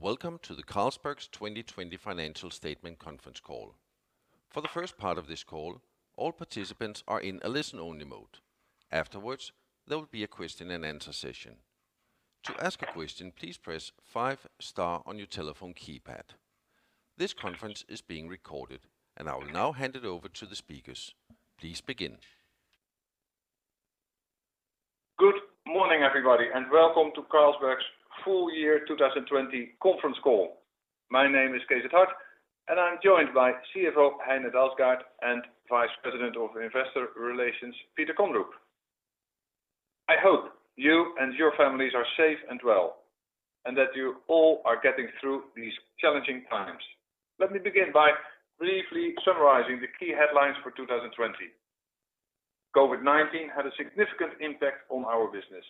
Welcome to the Carlsberg 2020 financial statement conference call. For the first part of this call, all participants are in a listen-only mode. Afterwards, there will be a question-and-answer session. To ask a question, please press five star on your telephone keypad. This conference is being recorded, and I will now hand it over to the speakers. Please begin. Good morning, everybody. Welcome to Carlsberg's full-year 2020 conference call. My name is Cees 't Hart, and I'm joined by CFO Heine Dalsgaard and Vice President of Investor Relations, Peter Kondrup. I hope you and your families are safe and well, and that you all are getting through these challenging times. Let me begin by briefly summarizing the key headlines for 2020. COVID-19 had a significant impact on our business.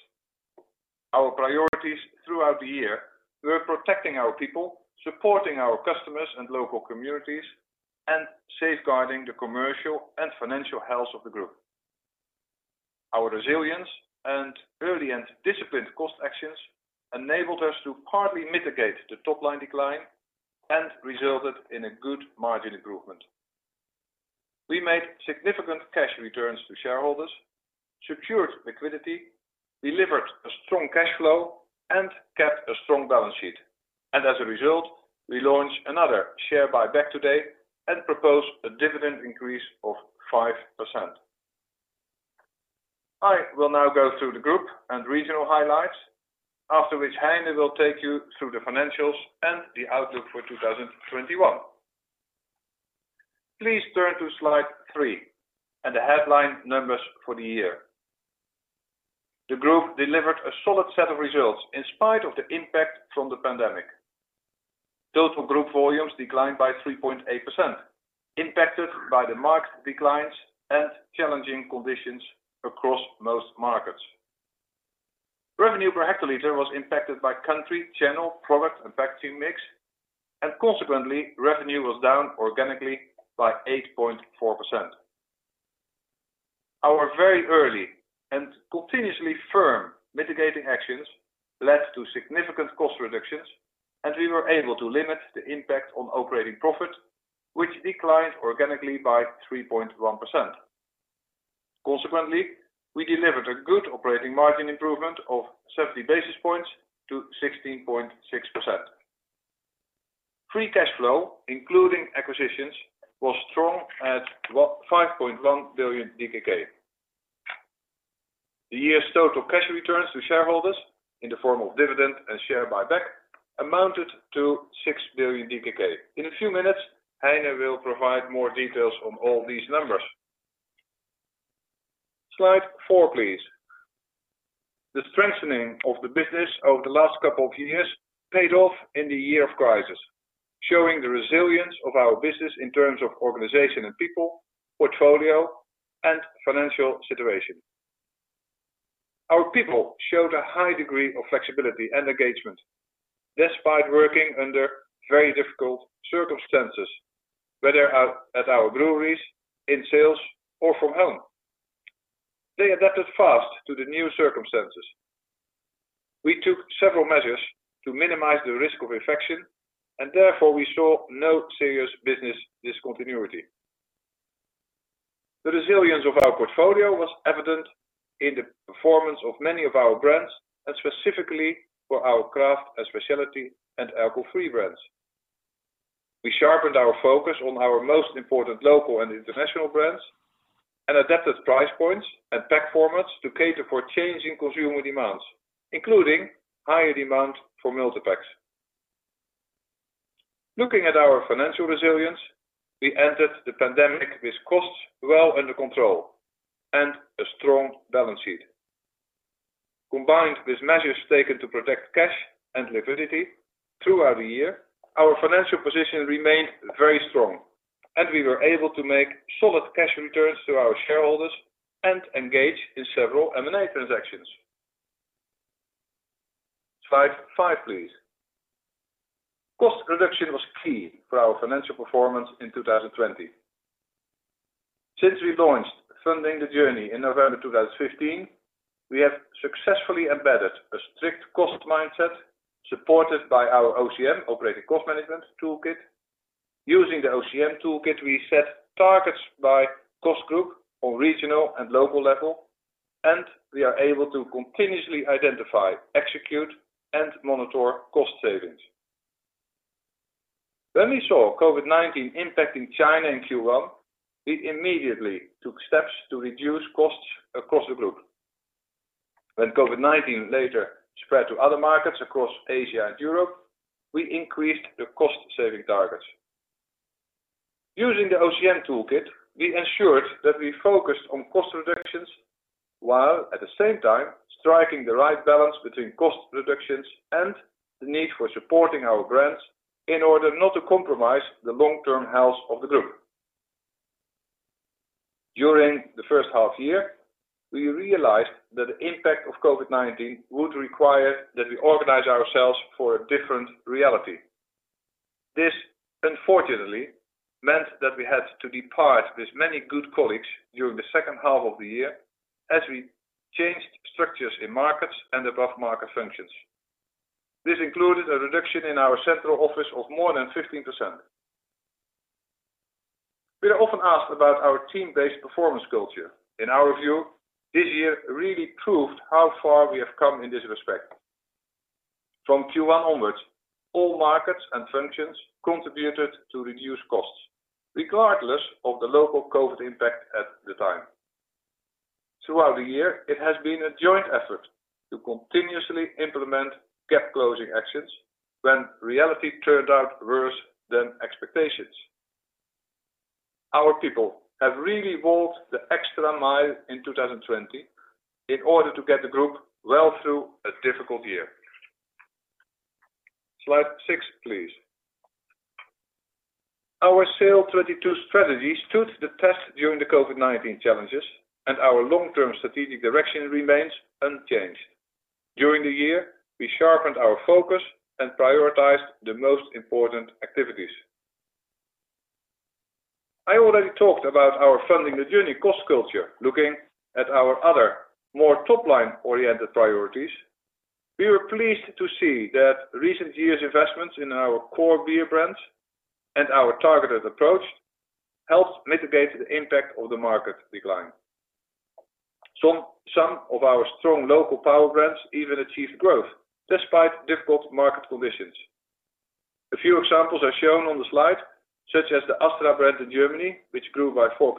Our priorities throughout the year were protecting our people, supporting our customers and local communities, and safeguarding the commercial and financial health of the Group. Our resilience and early and disciplined cost actions enabled us to partly mitigate the top-line decline and resulted in a good margin improvement. We made significant cash returns to shareholders, secured liquidity, delivered a strong cash flow, and kept a strong balance sheet. As a result, we launch another share buyback today and propose a dividend increase of 5%. I will now go through the Group and regional highlights, after which Heine will take you through the financials and the outlook for 2021. Please turn to slide three and the headline numbers for the year. The Group delivered a solid set of results in spite of the impact from the pandemic. Total Group volumes declined by 3.8%, impacted by the market declines and challenging conditions across most markets. Revenue per hectolitre was impacted by country, channel, product, and packaging mix. Consequently, revenue was down organically by 8.4%. Our very early and continuously firm mitigating actions led to significant cost reductions, and we were able to limit the impact on operating profit, which declined organically by 3.1%. Consequently, we delivered a good operating margin improvement of 70 basis points to 16.6%. Free cash flow, including acquisitions, was strong at 5.1 billion DKK. The year's total cash returns to shareholders in the form of dividend and share buyback amounted to 6 billion DKK. In a few minutes, Heine will provide more details on all these numbers. Slide four, please. The strengthening of the business over the last couple of years paid off in the year of crisis, showing the resilience of our business in terms of organization and people, portfolio, and financial situation. Our people showed a high degree of flexibility and engagement despite working under very difficult circumstances, whether at our breweries, in sales, or from home. They adapted fast to the new circumstances. We took several measures to minimize the risk of infection, and therefore, we saw no serious business discontinuity. The resilience of our portfolio was evident in the performance of many of our brands, and specifically for our craft and specialty and alcohol-free brands. We sharpened our focus on our most important local and international brands and adapted price points and pack formats to cater for changing consumer demands, including higher demand for multipacks. Looking at our financial resilience, we entered the pandemic with costs well under control and a strong balance sheet. Combined with measures taken to protect cash and liquidity throughout the year, our financial position remained very strong, and we were able to make solid cash returns to our shareholders and engage in several M&A transactions. Slide five, please. Cost reduction was key for our financial performance in 2020. Since we launched Funding the Journey in November 2015, we have successfully embedded a strict cost mindset supported by our OCM, Operating Cost Management, toolkit. Using the OCM toolkit, we set targets by cost group on regional and local level, and we are able to continuously identify, execute, and monitor cost savings. When we saw COVID-19 impact in China in Q1, we immediately took steps to reduce costs across the Group. When COVID-19 later spread to other markets across Asia and Europe, we increased the cost-saving targets. Using the OCM toolkit, we ensured that we focused on cost reductions, while at the same time striking the right balance between cost reductions and the need for supporting our brands in order not to compromise the long-term health of the Group. During the first half-year, we realized that the impact of COVID-19 would require that we organize ourselves for a different reality. This unfortunately meant that we had to depart with many good colleagues during the second half of the year as we changed structures in markets and above market functions. This included a reduction in our central office of more than 15%. We are often asked about our team-based performance culture. In our view, this year really proved how far we have come in this respect. From Q1 onwards, all markets and functions contributed to reduced costs regardless of the local COVID impact at the time. Throughout the year, it has been a joint effort to continuously implement gap closing actions when reality turned out worse than expectations. Our people have really walked the extra mile in 2020 in order to get the Group well through a difficult year. Slide six, please. Our SAIL'22 strategy stood the test during the COVID-19 challenges, and our long-term strategic direction remains unchanged. During the year, we sharpened our focus and prioritized the most important activities. I already talked about our Funding the Journey cost culture. Looking at our other more top-line-oriented priorities, we were pleased to see that recent years' investments in our core beer brands and our targeted approach helped mitigate the impact of the market decline. Some of our strong local power brands even achieved growth despite difficult market conditions. A few examples are shown on the slide, such as the Astra brand in Germany, which grew by 4%,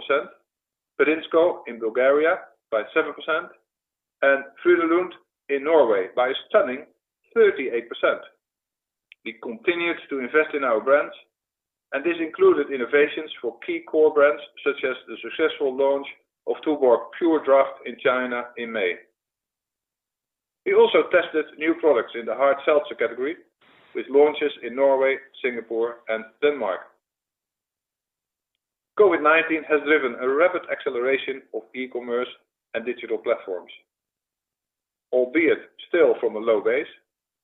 Pirinsko in Bulgaria by 7%, and Frydenlund in Norway by a stunning 38%. We continued to invest in our brands, and this included innovations for key core brands such as the successful launch of Tuborg Pure Draft in China in May. We also tested new products in the hard seltzer category with launches in Norway, Singapore and Denmark. COVID-19 has driven a rapid acceleration of e-commerce and digital platforms. Albeit still from a low base,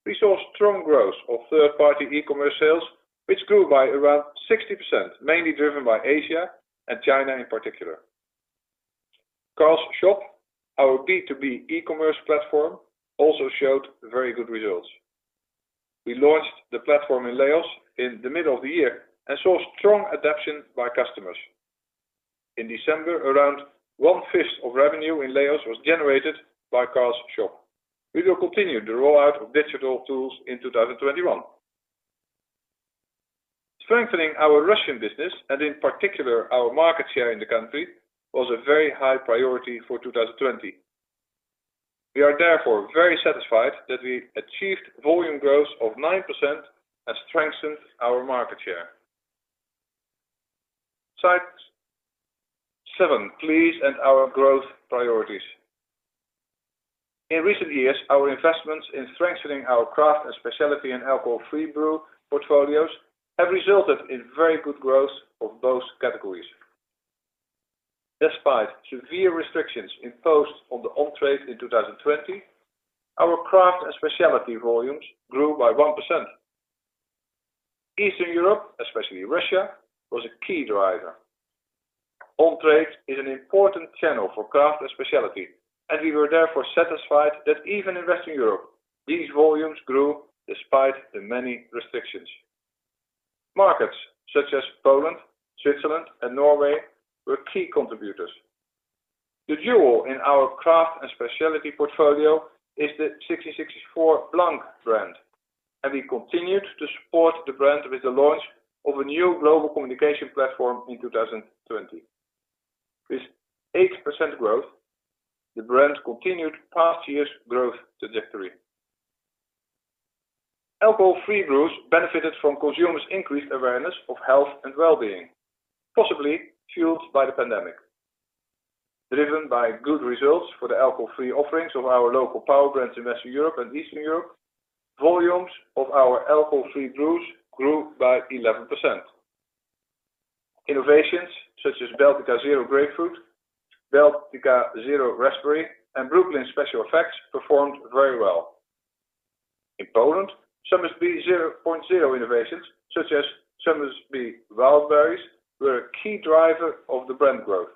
we saw strong growth of third-party e-commerce sales, which grew by around 60%, mainly driven by Asia and China in particular. Carls Shop, our B2B e-commerce platform, also showed very good results. We launched the platform in Laos in the middle of the year and saw strong adoption by customers. In December, around 1/5 of revenue in Laos was generated by Carls Shop. We will continue the rollout of digital tools in 2021. Strengthening our Russian business and in particular our market share in the country, was a very high priority for 2020. We are therefore very satisfied that we achieved volume growth of 9% and strengthened our market share. Slide seven, please. Our growth priorities. In recent years, our investments in strengthening our craft and specialty and alcohol-free brew portfolios have resulted in very good growth of both categories. Despite severe restrictions imposed on the on-trade in 2020, our craft and specialty volumes grew by 1%. Eastern Europe, especially Russia, was a key driver. On-trade is an important channel for craft and specialty, and we were therefore satisfied that even in Western Europe, these volumes grew despite the many restrictions. Markets such as Poland, Switzerland and Norway were key contributors. The jewel in our craft and specialty portfolio is the 1664 Blanc brand, and we continued to support the brand with the launch of a new global communication platform in 2020. With 8% growth, the brand continued past year's growth trajectory. Alcohol-free brews benefited from consumers' increased awareness of health and wellbeing, possibly fueled by the pandemic. Driven by good results for the alcohol-free offerings of our local power brands in Western Europe and Eastern Europe, volumes of our alcohol-free brews grew by 11%. Innovations such as Baltika 0 Grapefruit, Baltika 0 Raspberry and Brooklyn Special Effects performed very well. In Poland, Somersby 0.0 innovations such as Somersby Wild Berries were a key driver of the brand growth.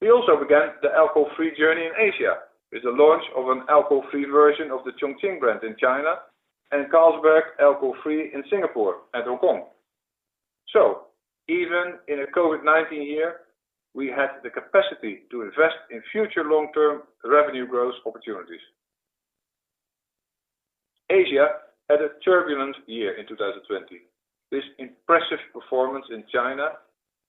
We also began the alcohol-free journey in Asia with the launch of an alcohol-free version of the Chongqing brand in China and Carlsberg alcohol-free in Singapore and Hong Kong. Even in a COVID-19 year, we had the capacity to invest in future long-term revenue growth opportunities. Asia had a turbulent year in 2020. This impressive performance in China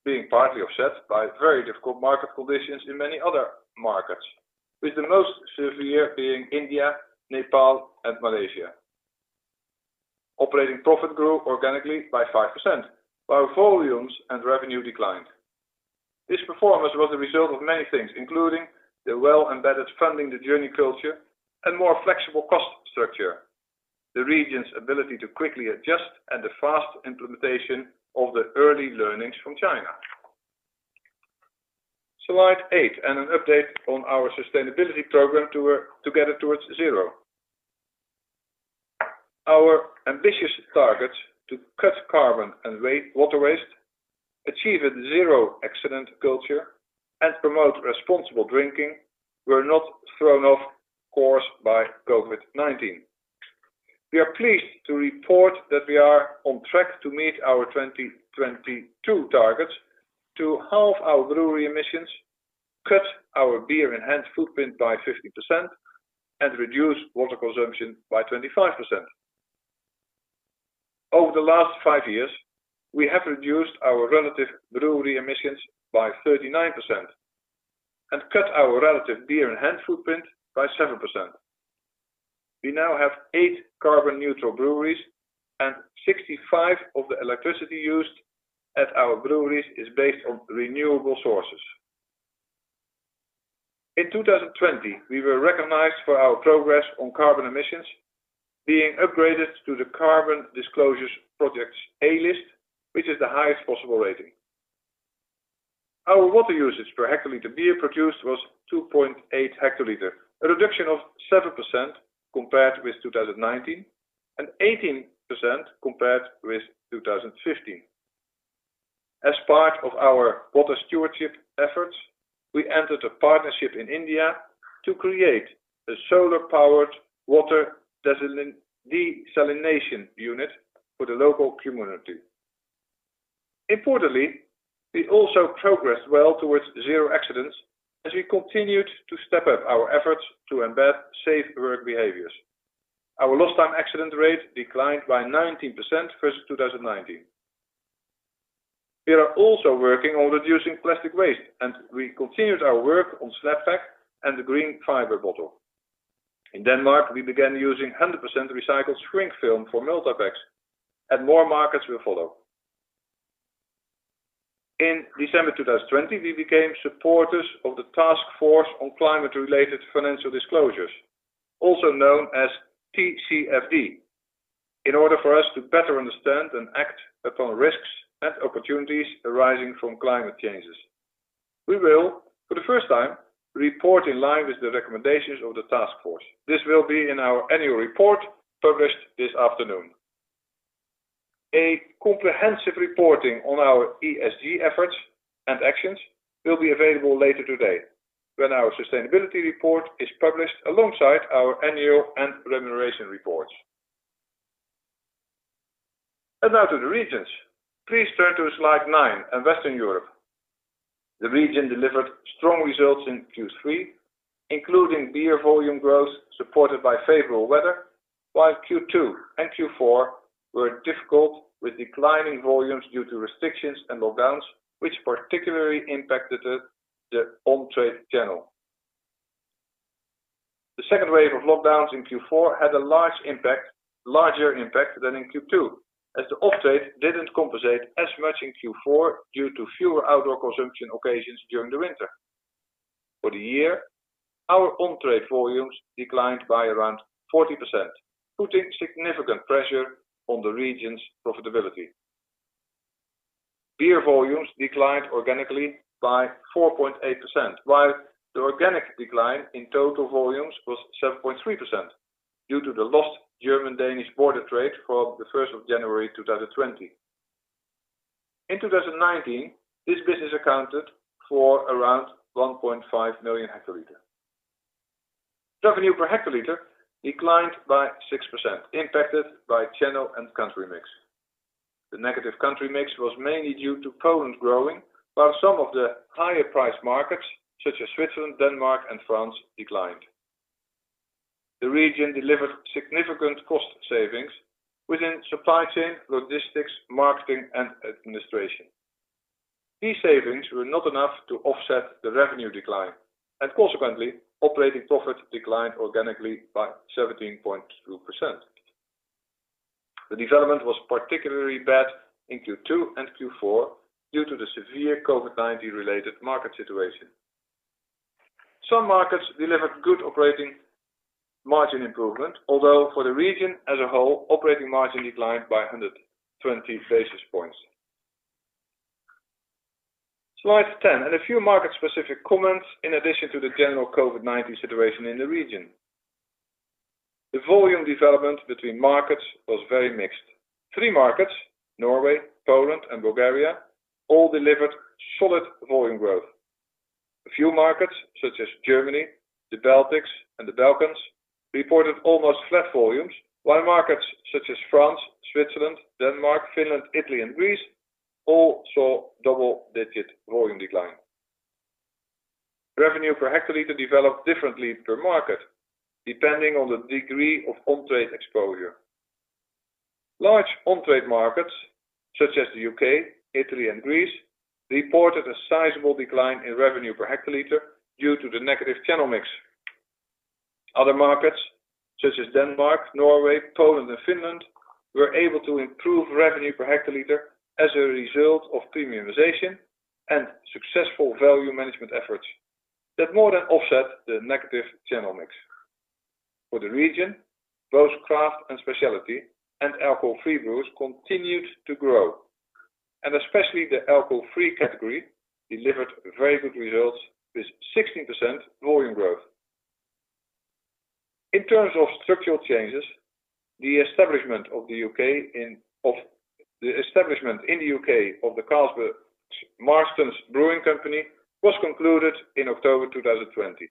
being partly offset by very difficult market conditions in many other markets, with the most severe being India, Nepal and Malaysia. Operating profit grew organically by 5%, while volumes and revenue declined. This performance was a result of many things, including the well-embedded Funding the Journey culture and more flexible cost structure, the region's ability to quickly adjust, and the fast implementation of the early learnings from China. Slide eight and an update on our sustainability program to get it towards zero. Our ambitious target to cut carbon and water waste, achieve a zero accident culture, and promote responsible drinking were not thrown off course by COVID-19. We are pleased to report that we are on track to meet our 2022 targets to halve our brewery emissions, cut our beer-in-hand footprint by 50%, and reduce water consumption by 25%. Over the last five years, we have reduced our relative brewery emissions by 39% and cut our relative beer-in-hand footprint by 7%. We now have eight carbon-neutral breweries and 65% of the electricity used at our breweries is based on renewable sources. In 2020, we were recognized for our progress on carbon emissions, being upgraded to the Carbon Disclosure Project's A-list, which is the highest possible rating. Our water usage per hectolitre beer produced was 2.8 hl, a reduction of 7% compared with 2019 and 18% compared with 2015. As part of our water stewardship efforts, we entered a partnership in India to create a solar-powered water desalination unit for the local community. Importantly, we also progressed well towards zero accidents as we continued to step up our efforts to embed safe work behaviors. Our lost time accident rate declined by 19% versus 2019. We are also working on reducing plastic waste, we continued our work on Snap Pack and the Green Fibre Bottle. In Denmark, we began using 100% recycled shrink film for multi-packs and more markets will follow. In December 2020, we became supporters of the Task Force on Climate-related Financial Disclosures, also known as TCFD, in order for us to better understand and act upon risks and opportunities arising from climate changes. We will, for the first time, report in line with the recommendations of the task force. This will be in our annual report published this afternoon. A comprehensive reporting on our ESG efforts and actions will be available later today when our sustainability report is published alongside our annual and remuneration reports. Now to the regions. Please turn to slide nine on Western Europe. The region delivered strong results in Q3, including beer volume growth supported by favorable weather, while Q2 and Q4 were difficult with declining volumes due to restrictions and lockdowns, which particularly impacted the on-trade channel. The second wave of lockdowns in Q4 had a larger impact than in Q2, as the off-trade didn't compensate as much in Q4 due to fewer outdoor consumption occasions during the winter. For the year, our on-trade volumes declined by around 40%, putting significant pressure on the region's profitability. Beer volumes declined organically by 4.8%, while the organic decline in total volumes was 7.3% due to the lost German-Danish border trade from the 1st of January 2020. In 2019, this business accounted for around 1.5 million hectolitres. Revenue per hectolitre declined by 6%, impacted by channel and country mix. The negative country mix was mainly due to Poland growing, while some of the higher price markets such as Switzerland, Denmark, and France declined. The region delivered significant cost savings within supply chain, logistics, marketing, and administration. These savings were not enough to offset the revenue decline. Consequently, operating profit declined organically by 17.2%. The development was particularly bad in Q2 and Q4 due to the severe COVID-19 related market situation. Some markets delivered good operating margin improvement, although for the region as a whole, operating margin declined by 120 basis points. Slide 10. A few market-specific comments in addition to the general COVID-19 situation in the region. The volume development between markets was very mixed. Three markets, Norway, Poland, and Bulgaria all delivered solid volume growth. A few markets such as Germany, the Baltics, and the Balkans reported almost flat volumes, while markets such as France, Switzerland, Denmark, Finland, Italy, and Greece all saw double-digit volume decline. Revenue per hectolitre developed differently per market, depending on the degree of on-trade exposure. Large on-trade markets such as the U.K., Italy, and Greece reported a sizable decline in revenue per hectolitre due to the negative channel mix. Other markets such as Denmark, Norway, Poland, and Finland, were able to improve revenue per hectolitre as a result of premiumization and successful value management efforts that more than offset the negative channel mix. For the region, both craft and specialty and alcohol-free brews continued to grow. Especially the alcohol-free category delivered very good results with 16% volume growth. In terms of structural changes, the establishment in the U.K. of the Carlsberg Marston's Brewing Company was concluded in October 2020.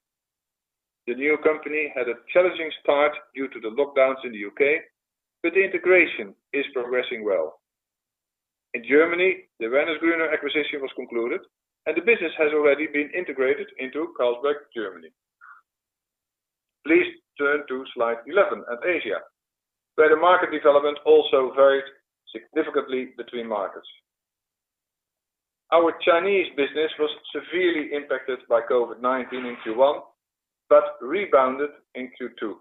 The new company had a challenging start due to the lockdowns in the U.K., but the integration is progressing well. In Germany, the Wernesgrüner acquisition was concluded, and the business has already been integrated into Carlsberg, Germany. Please turn to slide 11 at Asia, where the market development also varied significantly between markets. Our Chinese business was severely impacted by COVID-19 in Q1, but rebounded in Q2.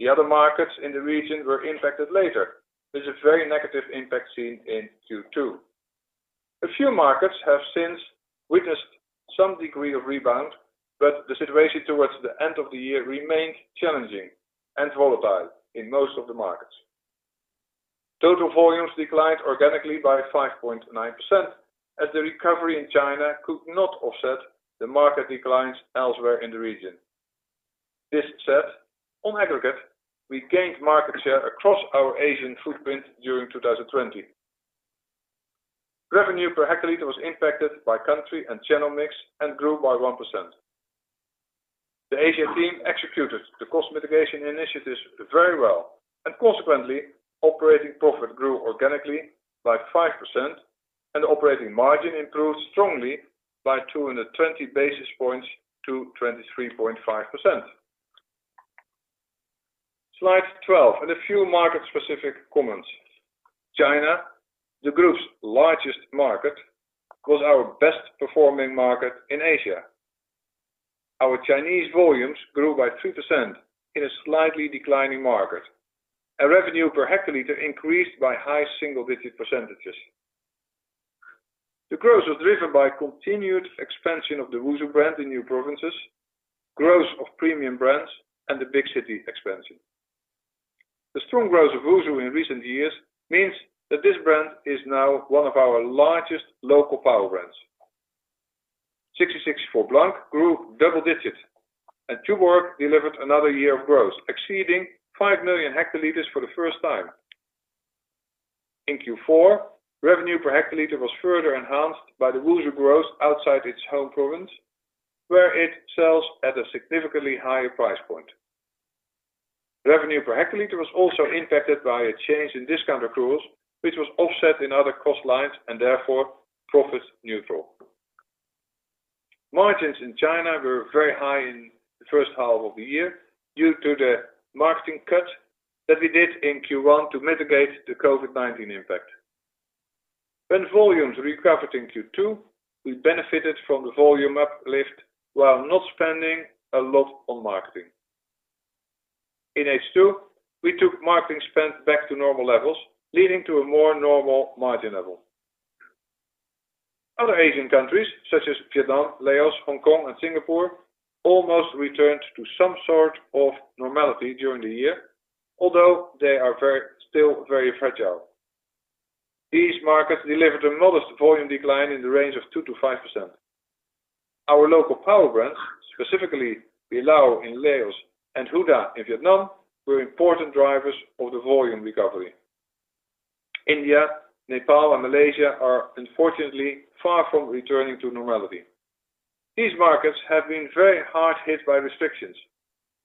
The other markets in the region were impacted later. There's a very negative impact seen in Q2. A few markets have since witnessed some degree of rebound, but the situation towards the end of the year remained challenging and volatile in most of the markets. Total volumes declined organically by 5.9% as the recovery in China could not offset the market declines elsewhere in the region. This said, on aggregate, we gained market share across our Asian footprint during 2020. Revenue per hectolitre was impacted by country and channel mix and grew by 1%. The Asia team executed the cost mitigation initiatives very well, consequently, operating profit grew organically by 5% and operating margin improved strongly by 220 basis points to 23.5%. Slide 12 and a few market-specific comments. China, the Group's largest market, was our best-performing market in Asia. Our Chinese volumes grew by 3% in a slightly declining market. Revenue per hectolitre increased by high single-digit percentages. The growth was driven by continued expansion of the WuSu brand in new provinces, growth of premium brands, and the big city expansion. The strong growth of WuSu in recent years means that this brand is now one of our largest local power brands. 1664 Blanc grew double digits, and Tuborg delivered another year of growth, exceeding 5 million hectolitres for the first time. In Q4, revenue per hectolitre was further enhanced by the WuSu growth outside its home province, where it sells at a significantly higher price point. Revenue per hectolitre was also impacted by a change in discount accruals, which was offset in other cost lines and therefore profit-neutral. Margins in China were very high in the first half of the year due to the marketing cut that we did in Q1 to mitigate the COVID-19 impact. When volumes recovered in Q2, we benefited from the volume uplift while not spending a lot on marketing. In H2, we took marketing spend back to normal levels, leading to a more normal margin level. Other Asian countries such as Vietnam, Laos, Hong Kong, and Singapore, almost returned to some sort of normality during the year, although they are still very fragile. These markets delivered a modest volume decline in the range of 2%-5%. Our local power brands, specifically Beerlao in Laos and Huda in Vietnam, were important drivers of the volume recovery. India, Nepal, and Malaysia are unfortunately far from returning to normality. These markets have been very hard hit by restrictions,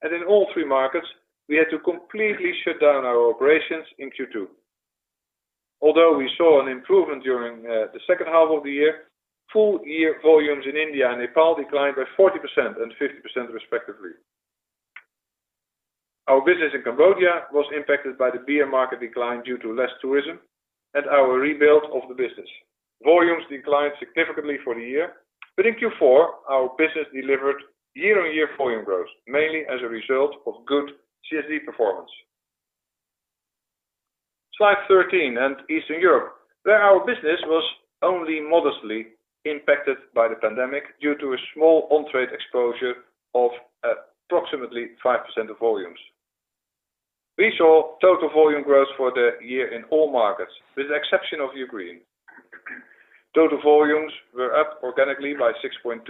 and in all three markets, we had to completely shut down our operations in Q2. Although we saw an improvement during the second half of the year, full-year volumes in India and Nepal declined by 40% and 50%, respectively. Our business in Cambodia was impacted by the beer market decline due to less tourism and our rebuild of the business. Volumes declined significantly for the year, but in Q4, our business delivered year-on-year volume growth, mainly as a result of good CSB performance. Slide 13 and Eastern Europe, where our business was only modestly impacted by the pandemic due to a small on-trade exposure of approximately 5% of volumes. We saw total volume growth for the year in all markets, with the exception of Ukraine. Total volumes were up organically by 6.2%,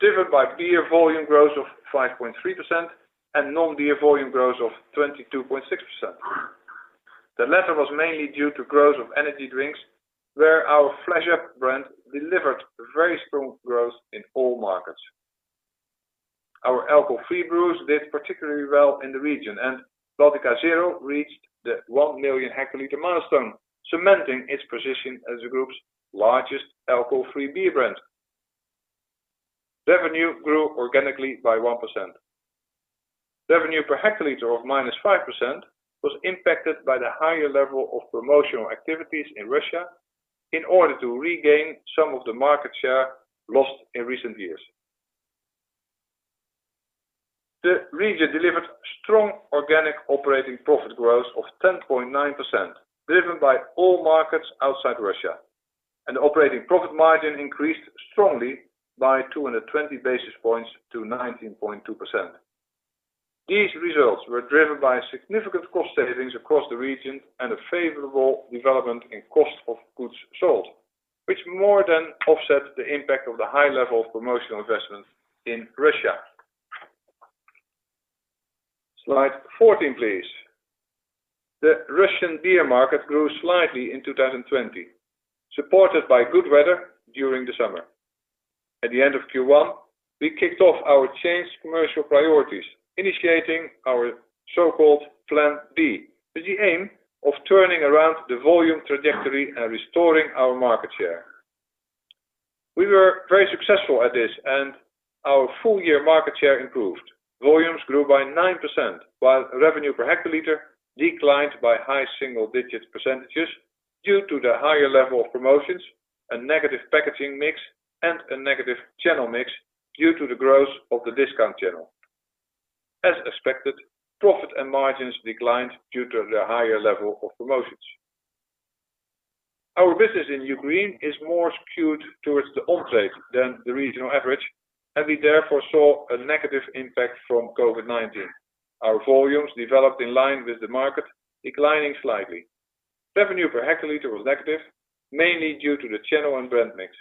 driven by beer volume growth of 5.3% and non-beer volume growth of 22.6%. The latter was mainly due to growth of energy drinks, where our Flash Up brand delivered very strong growth in all markets. Our alcohol-free brews did particularly well in the region, and Baltika 0 reached the 1 million hectolitres milestone, cementing its position as the Group's largest alcohol-free beer brand. Revenue grew organically by 1%. Revenue per hectolitre of -5% was impacted by the higher level of promotional activities in Russia in order to regain some of the market share lost in recent years. The region delivered strong organic operating profit growth of 10.9%, driven by all markets outside Russia. The operating profit margin increased strongly by 220 basis points to 19.2%. These results were driven by significant cost savings across the region and a favorable development in cost of goods sold, which more than offset the impact of the high level of promotional investment in Russia. Slide 14, please. The Russian beer market grew slightly in 2020, supported by good weather during the summer. At the end of Q1, we kicked off our changed commercial priorities, initiating our so-called Plan B, with the aim of turning around the volume trajectory and restoring our market share. We were very successful at this, and our full-year market share improved. Volumes grew by 9%, while revenue per hectolitre declined by high single-digit percentages due to the higher level of promotions and negative packaging mix, and a negative channel mix due to the growth of the discount channel. As expected, profit and margins declined due to the higher level of promotions. Our business in Ukraine is more skewed towards the on-trade than the regional average, and we therefore saw a negative impact from COVID-19. Our volumes developed in line with the market, declining slightly. Revenue per hectolitre was negative, mainly due to the channel and brand mix.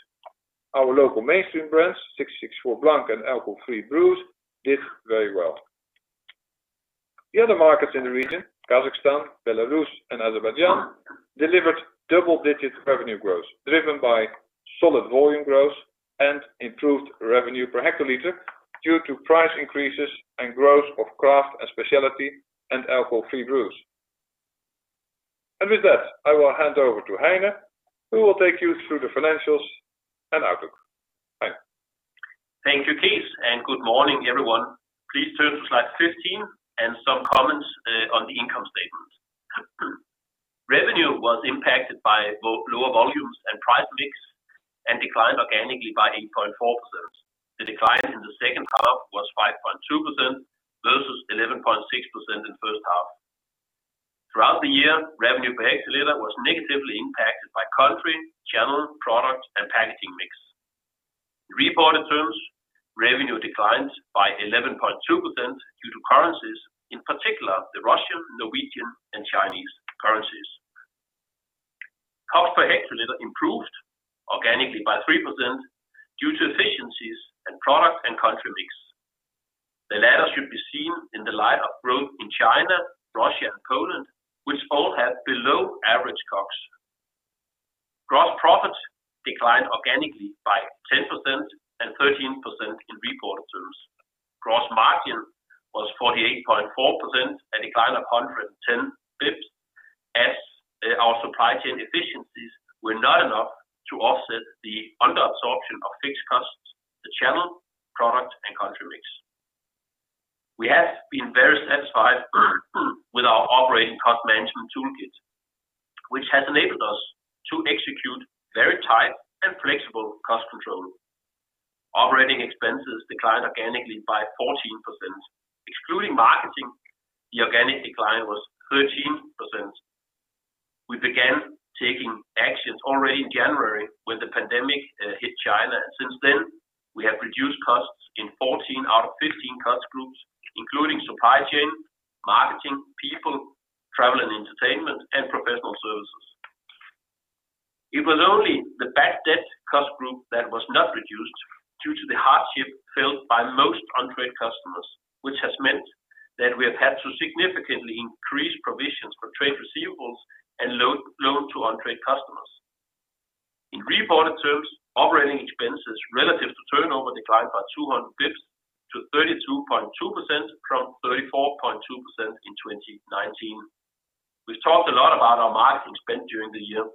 Our local mainstream brands, 1664 Blanc and alcohol-free brews, did very well. The other markets in the region, Kazakhstan, Belarus, and Azerbaijan, delivered double-digit revenue growth driven by solid volume growth and improved revenue per hectolitre due to price increases and growth of craft and specialty and alcohol-free brews. With that, I will hand over to Heine, who will take you through the financials and outlook. Heine. Thank you, Cees, and good morning, everyone. Please turn to slide 15 and some comments on the income statement. Revenue was impacted by both lower volumes and price mix and declined organically by 8.4%. The decline in the second half was 5.2% versus 11.6% in the first half. Throughout the year, revenue per hectolitre was negatively impacted by country, channel, product, and packaging mix. In reported terms, revenue declined by 11.2% due to currencies, in particular, the Russian, Norwegian, and Chinese currencies. Cost per hectolitre improved organically by 3% due to efficiencies in product and country mix. The latter should be seen in the light of growth in China, Russia, and Poland, which all had below-average COGS. Gross profit declined organically by 10% and 13% in reported terms. Gross margin was 48.4%, a decline of 110 basis points, as our supply chain efficiencies were not enough to offset the under absorption of fixed costs, the channel, product, and country mix. We have been very satisfied with our Operating Cost Management toolkit, which has enabled us to execute very tight and flexible cost control. Operating expenses declined organically by 14%. Excluding marketing, the organic decline was 13%. We began taking actions already in January when the pandemic hit China. Since then, we have reduced costs in 14 out of 15 cost groups, including supply chain, marketing, people, travel and entertainment, and professional services. It was only the bad debt cost Group that was not reduced due to the hardship felt by most on-trade customers, which has meant that we have had to significantly increase provisions for trade receivables and loans to on-trade customers. In reported terms, operating expenses relative to turnover declined by 200 basis points to 32.2% from 34.2% in 2019. We've talked a lot about our marketing spend during the year.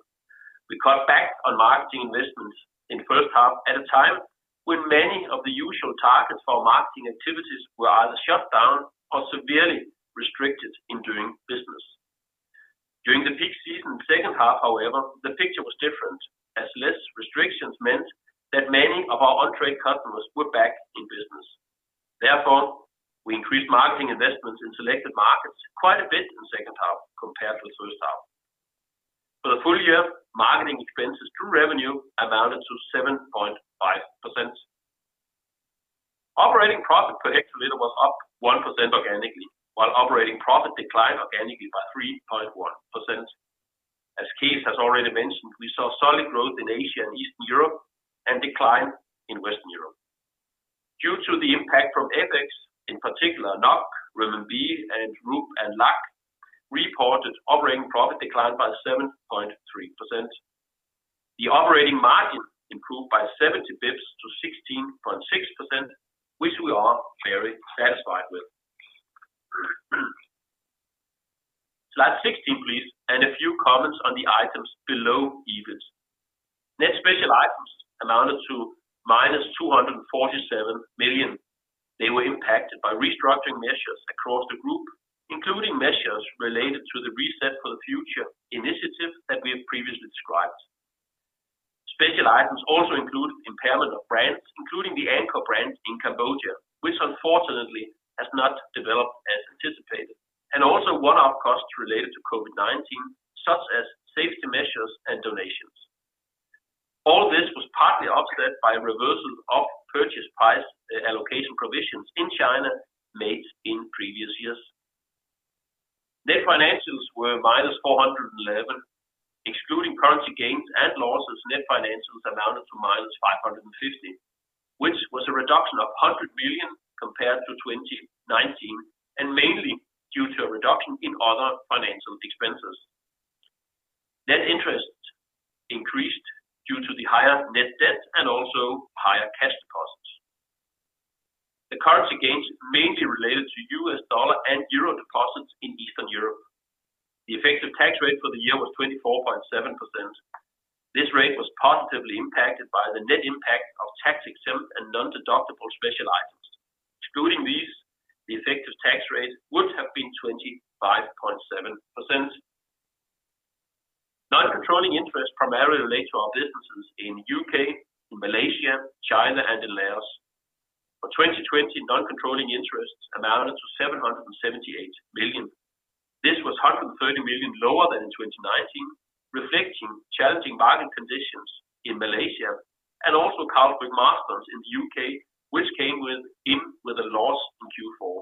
We cut back on marketing investments in the first half at a time when many of the usual targets for our marketing activities were either shut down or severely restricted in doing business. During the peak season second half, however, the picture was different as less restrictions meant that many of our on-trade customers were back in business. Therefore, we increased marketing investments in selected markets quite a bit in the second half compared to the first half. For the full year, marketing expenses to revenue amounted to 7.5%. Operating profit per hectolitre was up 1% organically, while operating profit declined organically by 3.1%. As Cees has already mentioned, we saw solid growth in Asia and Eastern Europe and decline in Western Europe. Due to the impact from FX, in particular NOK, CNY, INR, and LAK, reported operating profit declined by 7.3%. The operating margin improved by 70 basis points to 16.6%, which we are very satisfied with. Slide 16, please. A few comments on the items below EBIT. Net special items amounted to -247 million. They were impacted by restructuring measures across the Group, including measures related to the Reset for the Future initiative that we have previously described. Special items also include impairment of brands, including the Angkor brand in Cambodia, which unfortunately has not developed as anticipated. Also, one-off costs related to COVID-19, such as safety measures and donations. All this was partly offset by reversal of purchase price allocation provisions in China made in previous years. Net financials were -411 million, excluding currency gains and losses, net financials amounted to -550 million, which was a reduction of 100 million compared to 2019, mainly due to a reduction in other financial expenses. Net interest increased due to the higher net debt and also higher cash costs. The currency gains mainly related to U.S. dollar and euro deposits in Eastern Europe. The effective tax rate for the year was 24.7%. This rate was positively impacted by the net impact of tax-exempt and non-deductible special items. Excluding these, the effective tax rate would have been 25.7%. Non-controlling interests primarily relate to our businesses in U.K., in Malaysia, China, and in Laos. For 2020, non-controlling interests amounted to 778 million. This was 130 million lower than in 2019, reflecting challenging market conditions in Malaysia and also Carlsberg Marston's in the U.K., which came in with a loss in Q4.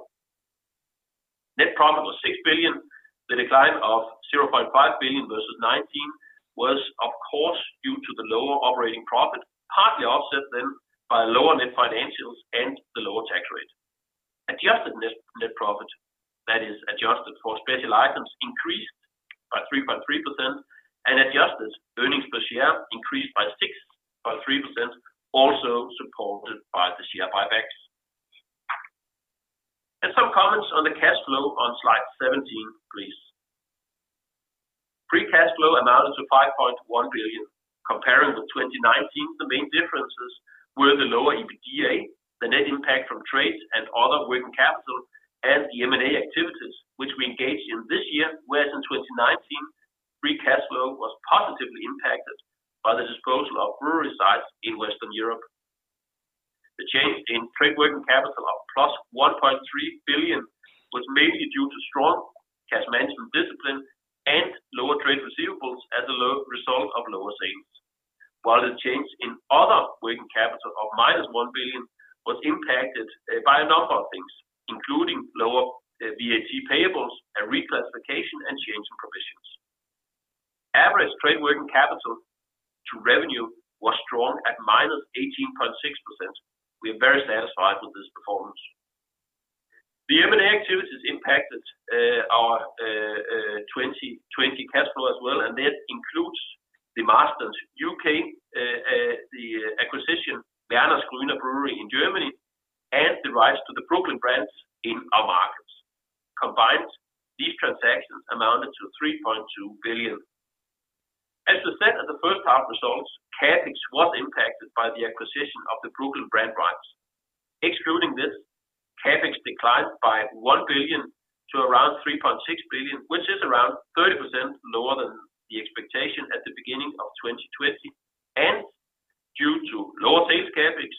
Net profit was 6 million. The decline of 0.5 million versus 2019 was of course due to the lower operating profit, partly offset then by lower net financials and the lower tax rate. Adjusted net profit, that is adjusted for special items, increased by 3.3%, and adjusted earnings per share increased by 6.3%, also supported by the share buybacks. Some comments on the cash flow on slide 17, please. Free cash flow amounted to 5.1 billion. Comparing with 2019, the main differences were the lower EBITDA, the net impact from trades and other working capital, and the M&A activities which we engaged in this year, whereas in 2019, free cash flow was positively impacted by the disposal of brewery sites in Western Europe. The change in trade working capital of +1.3 billion was mainly due to strong cash management discipline and lower trade receivables as a result of lower sales. While the change in other working capital of -1 billion was impacted by a number of things, including lower VAT payables and reclassification and change in provisions. Average trade working capital to revenue was strong at -18.6%. We are very satisfied with this performance. The M&A activities impacted our 2020 cash flow as well, and that includes the Marston's U.K., the acquisition Wernesgrüner brewery in Germany, and the rights to the Brooklyn brands in our markets. Combined, these transactions amounted to 3.2 billion. As we said at the first half results, CapEx was impacted by the acquisition of the Brooklyn brand rights. Excluding this, CapEx declined by 1 billion to around 3.6 billion, which is around 30% lower than the expectation at the beginning of 2020, and due to lower sales CapEx,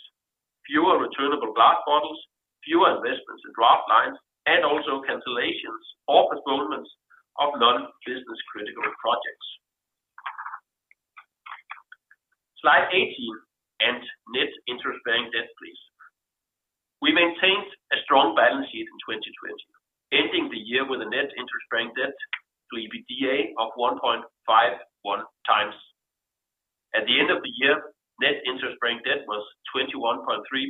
fewer returnable glass bottles, fewer investments in draft lines, and also cancellations or postponements of non-business-critical projects. Slide 18, net interest-bearing debt, please. We maintained a strong balance sheet in 2020, ending the year with a net interest-bearing debt to EBITDA of 1.51x. At the end of the year, net interest-bearing debt was 21.3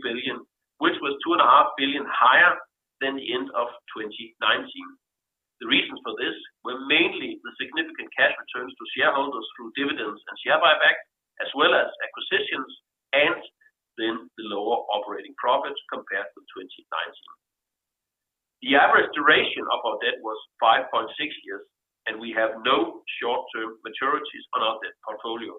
billion, which was 2.5 billion higher than the end of 2019. The reasons for this were mainly the significant cash returns to shareholders through dividends and share buyback, as well as acquisitions, and then the lower operating profits compared with 2019. The average duration of our debt was 5.6 years, and we have no short-term maturities on our debt portfolio.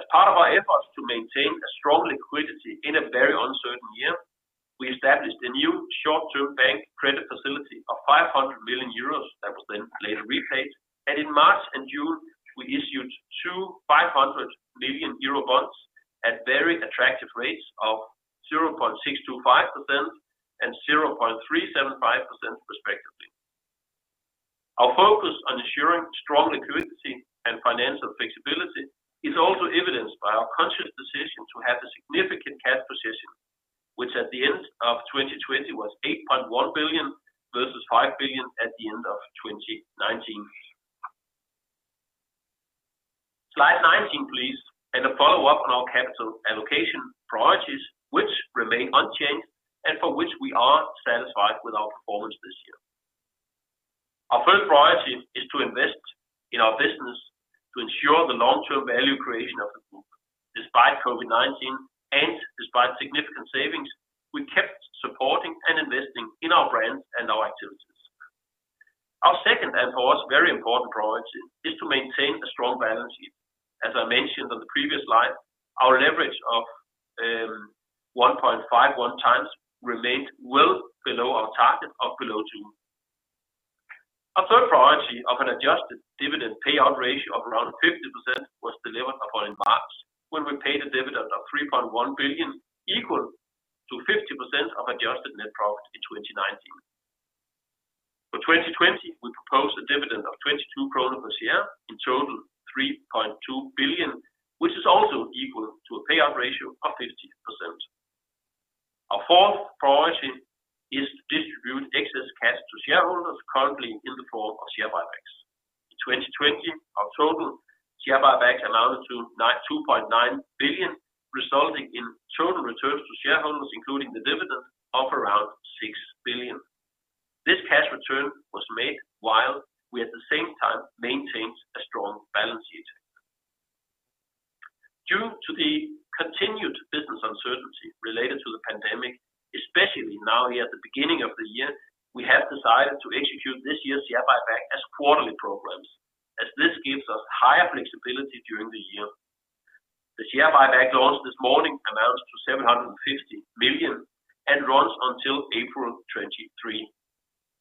As part of our efforts to maintain a strong liquidity in a very uncertain year, we established a new short-term bank credit facility of 500 million euros that was then later repaid. In March and June, we issued two 500 million euro bonds at very attractive rates of 0.625% and 0.375% respectively. Our focus on ensuring strong liquidity and financial flexibility is also evidenced by our conscious decision to have a significant cash position, which at the end of 2020 was 8.1 billion versus 5 billion at the end of 2019. Slide 19, please. A follow-up on our capital allocation priorities, which remain unchanged and for which we are satisfied with our performance this year. Our first priority is to invest in our business to ensure the long-term value creation of the Group. Despite COVID-19 and despite significant savings, we kept supporting and investing in our brands and our activities. Our second and for us very important priority is to maintain a strong balance sheet. As I mentioned on the previous slide, our leverage of 1.51x remained well below our target of below two. Our third priority of an adjusted dividend payout ratio of around 50% was delivered upon in March when we paid a dividend of 3.1 billion, equal to 50% of adjusted net profit in 2019. For 2020, we propose a dividend of 22 kroner per share, in total 3.2 billion, which is also equal to a payout ratio of 50%. Our fourth priority is to distribute excess cash to shareholders currently in the form of share buybacks. In 2020, our total share buybacks amounted to 2.9 billion, resulting in total returns to shareholders, including the dividend, of around 6 billion. This cash return was made while we at the same time maintained a strong balance sheet. Due to the continued business uncertainty related to the pandemic, especially now here at the beginning of the year, we have decided to execute this year's share buyback as quarterly programs, as this gives us higher flexibility during the year. The share buyback launched this morning amounts to 750 million and runs until April 23.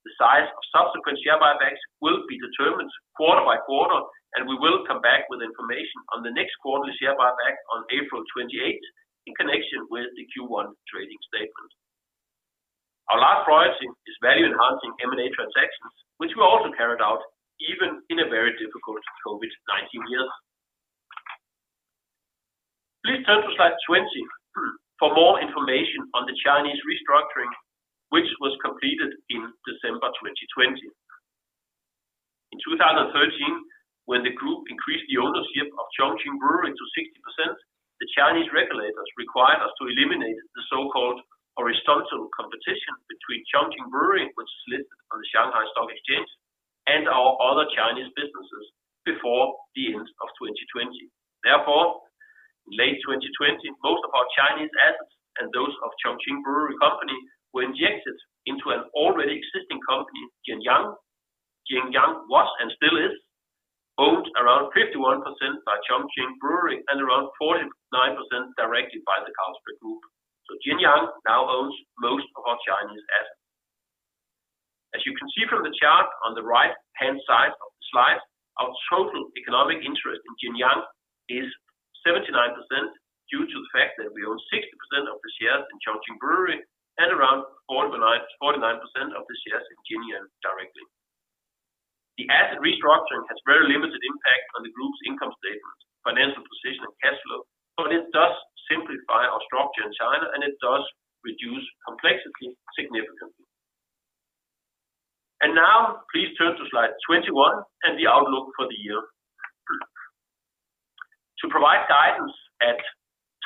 The size of subsequent share buybacks will be determined quarter by quarter, and we will come back with information on the next quarter's share buyback on April 28th in connection with the Q1 trading statement. Our last priority is value-enhancing M&A transactions, which were also carried out even in a very difficult COVID-19 year. Please turn to slide 20 for more information on the Chinese restructuring, which was completed in December 2020. In 2013, when the Group increased the ownership of Chongqing Brewery to 60%, the Chinese regulators required us to eliminate the so-called horizontal competition between Chongqing Brewery, which is listed on the Shanghai Stock Exchange, and our other Chinese businesses before the end of 2020. Therefore, in late 2020, most of our Chinese assets and those of Chongqing Brewery Company were injected into an already existing company, Jianiang. Jianiang was, and still is, owned around 51% by Chongqing Brewery and around 49% directly by the Carlsberg Group. Jianiang now owns most of our Chinese assets. As you can see from the chart on the right-hand side of the slide, our total economic interest in Jianiang is 79% due to the fact that we own 60% of the shares in Chongqing Brewery and around 49% of the shares in Jianiang directly. The asset restructuring has very limited impact on the Group's income statement, financial position, and cash flow, but it does simplify our structure in China, and it does reduce complexity significantly. Now please turn to slide 21 and the outlook for the year. To provide guidance at a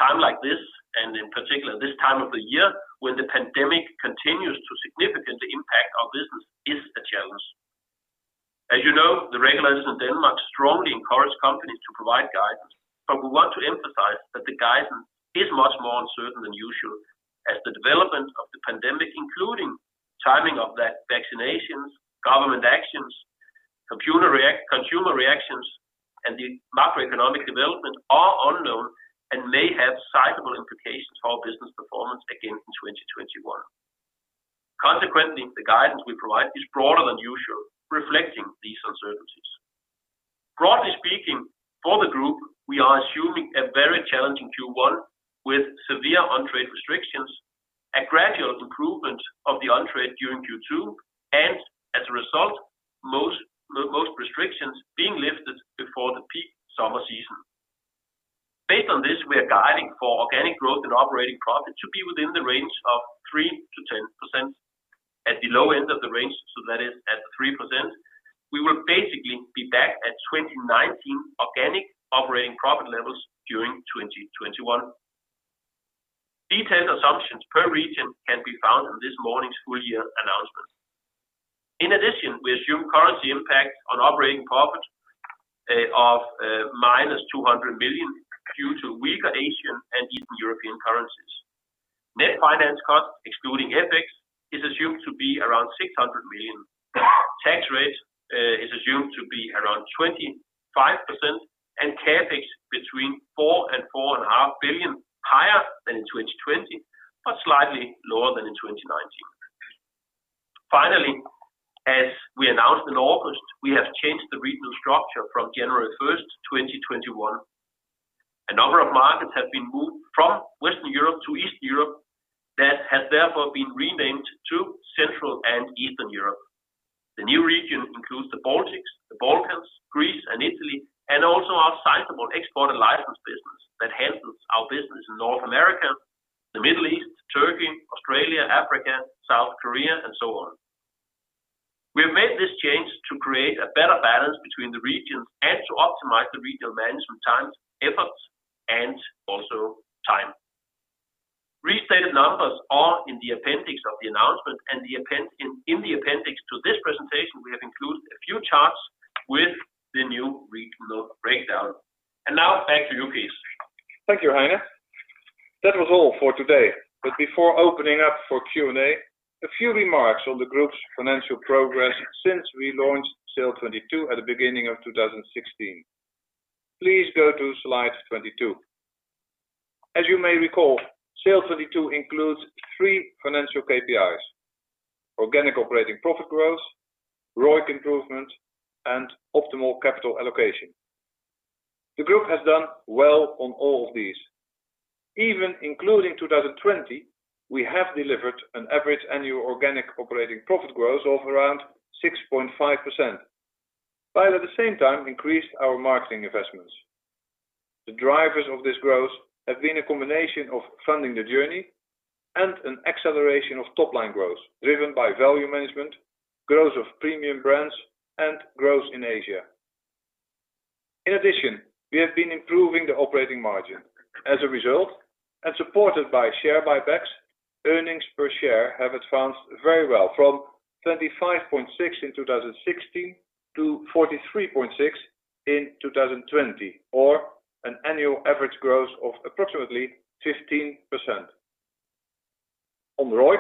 time like this, and in particular this time of the year, when the pandemic continues to significantly impact our business, is a challenge. As you know, the regulators in Denmark strongly encourage companies to provide guidance, but we want to emphasize that the guidance is much more uncertain than usual as the development of the pandemic, including timing of the vaccinations, government actions, consumer reactions, and the macroeconomic development are unknown and may have sizable implications for our business performance again in 2021. Consequently, the guidance we provide is broader than usual, reflecting these uncertainties. Broadly speaking, for the Group, we are assuming a very challenging Q1 with severe on-trade restrictions, a gradual improvement of the on-trade during Q2, and as a result, most restrictions being lifted before the peak summer season. Based on this, we are guiding for organic growth and operating profit to be within the range of 3%-10%. At the low end of the range, so that is at the 3%, we will basically be back at 2019 organic operating profit levels during 2021. Detailed assumptions per region can be found in this morning's full-year announcement. In addition, we assume currency impact on operating profit of -200 million due to weaker Asian and Eastern European currencies. Net finance cost, excluding FX, is assumed to be around 600 million. Tax rate is assumed to be around 25%, and CapEx between 4 billion and 4.5 billion, higher than in 2020, but slightly lower than in 2019. As we announced in August, we have changed the regional structure from January 1st, 2021. A number of markets have been moved from Western Europe to Eastern Europe that have therefore been renamed to Central and Eastern Europe. The new region includes the Baltics, the Balkans, Greece, and Italy, and also our sizable export and license business that handles our business in North America, the Middle East, Turkey, Australia, Africa, South Korea, and so on. We have made this change to create a better balance between the regions and to optimize the regional management time, efforts, and also time. Restated numbers are in the appendix of the announcement, and in the appendix to this presentation, we have included a few charts with the new regional breakdown. Now back to you, Cees. Thank you, Heine. That was all for today. Before opening up for Q&A, a few remarks on the Group's financial progress since we launched SAIL'22 at the beginning of 2016. Please go to slide 22. As you may recall, SAIL'22 includes three financial KPIs: organic operating profit growth, ROIC improvement, and optimal capital allocation. The Group has done well on all of these. Even including 2020, we have delivered an average annual organic operating profit growth of around 6.5%, while at the same time increased our marketing investments. The drivers of this growth have been a combination of Funding the Journey and an acceleration of top-line growth driven by value management, growth of premium brands, and growth in Asia. In addition, we have been improving the operating margin. As a result, and supported by share buybacks, earnings per share have advanced very well from 25.6 in 2016 to 43.6 in 2020, or an annual average growth of approximately 15%. On ROIC,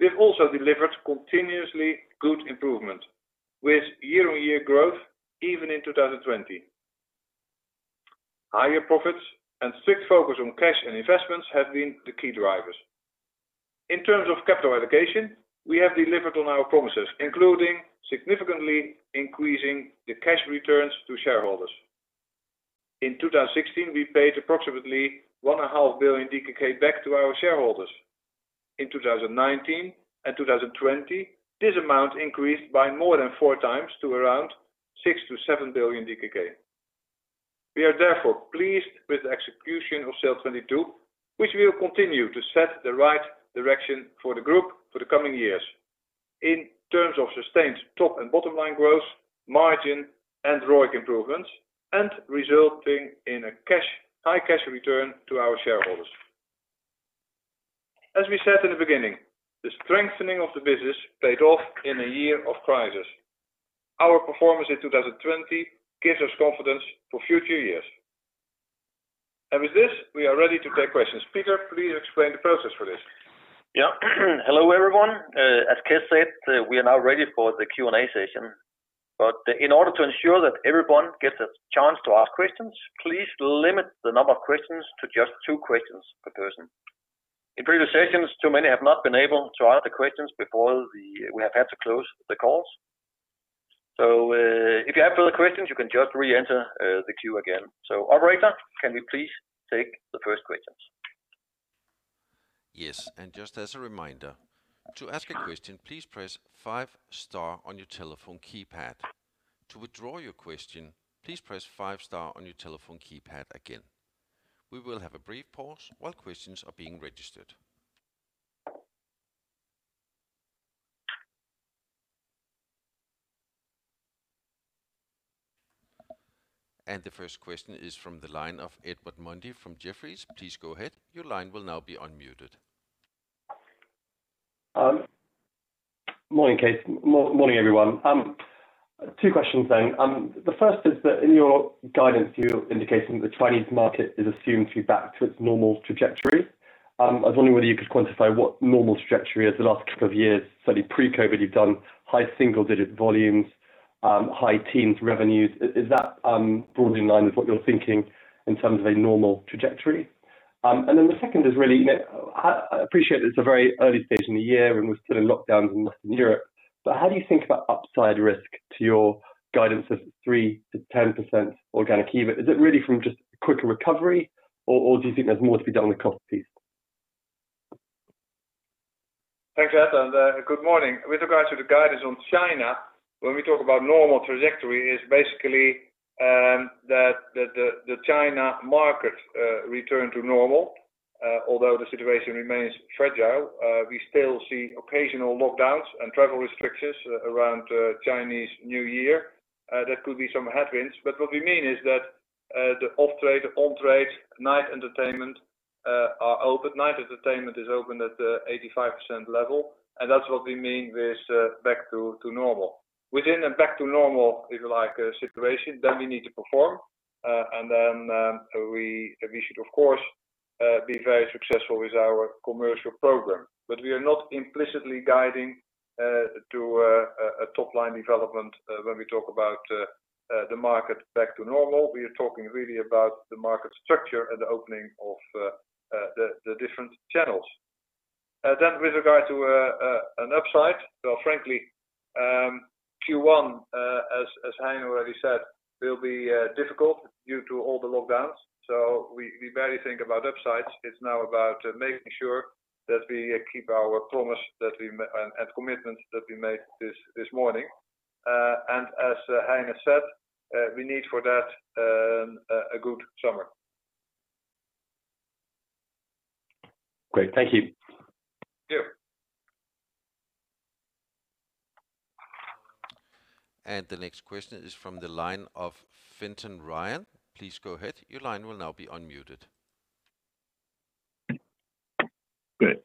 we have also delivered continuously good improvement with year-on-year growth even in 2020. Higher profits and strict focus on cash and investments have been the key drivers. In terms of capital allocation, we have delivered on our promises, including significantly increasing the cash returns to shareholders. In 2016, we paid approximately 1.5 billion DKK back to our shareholders. In 2019 and 2020, this amount increased by more than 4x to around 6 billion-7 billion DKK. We are therefore pleased with the execution of SAIL'22, which will continue to set the right direction for the Group for the coming years in terms of sustained top and bottom line growth, margin, and ROIC improvements, resulting in a high cash return to our shareholders. As we said in the beginning, the strengthening of the business paid off in a year of crisis. Our performance in 2020 gives us confidence for future years. With this, we are ready to take questions. Peter, please explain the process for this. Yeah. Hello, everyone. As Cees said, we are now ready for the Q&A session. In order to ensure that everyone gets a chance to ask questions, please limit the number of questions to just two questions per person. In previous sessions, too many have not been able to ask the questions before we have had to close the calls. If you have further questions, you can just re-enter the queue again. Operator, can we please take the first question? Yes. Just as a reminder, to ask a question, please press five star on your telephone keypad. To withdraw your question, please press five star on your telephone keypad again. We will have a brief pause while questions are being registered. The first question is from the line of Edward Mundy from Jefferies. Please go ahead. Your line will now be unmuted. Morning, Cees. Morning, everyone. Two questions. The first is that in your guidance, you're indicating that the Chinese market is assumed to be back to its normal trajectory. I was wondering whether you could quantify what normal trajectory is the last couple of years. The pre-COVID-19, you've done high single-digit volumes, high teens revenues. Is that broadly in line with what you're thinking in terms of a normal trajectory? The second is really, I appreciate it's a very early stage in the year and we're still in lockdowns in Western Europe, but how do you think about upside risk to your guidance of 3%-10% organic EBIT? Is it really from just quicker recovery? Do you think there's more to be done on the cost piece? Thanks, Ed. Good morning. With regards to the guidance on China, when we talk about normal trajectory is basically that the China market return to normal, although the situation remains fragile. We still see occasional lockdowns and travel restrictions around Chinese New Year. That could be some headwinds. What we mean is that the off-trade, the on-trade, night entertainment are open. Night entertainment is open at 85% level. That's what we mean with back to normal. Within a back to normal, if you like, situation, we need to perform. We should, of course, be very successful with our commercial program. We are not implicitly guiding to a top-line development when we talk about the market back to normal. We are talking really about the market structure and the opening of the different channels. With regard to an upside, frankly, Q1, as Heine already said, will be difficult due to all the lockdowns. We barely think about upsides. It's now about making sure that we keep our promise and commitments that we made this morning. As Heine has said, we need for that a good summer. Great. Thank you. Sure. The next question is from the line of Fintan Ryan. Please go ahead. Your line will now be unmuted. Great.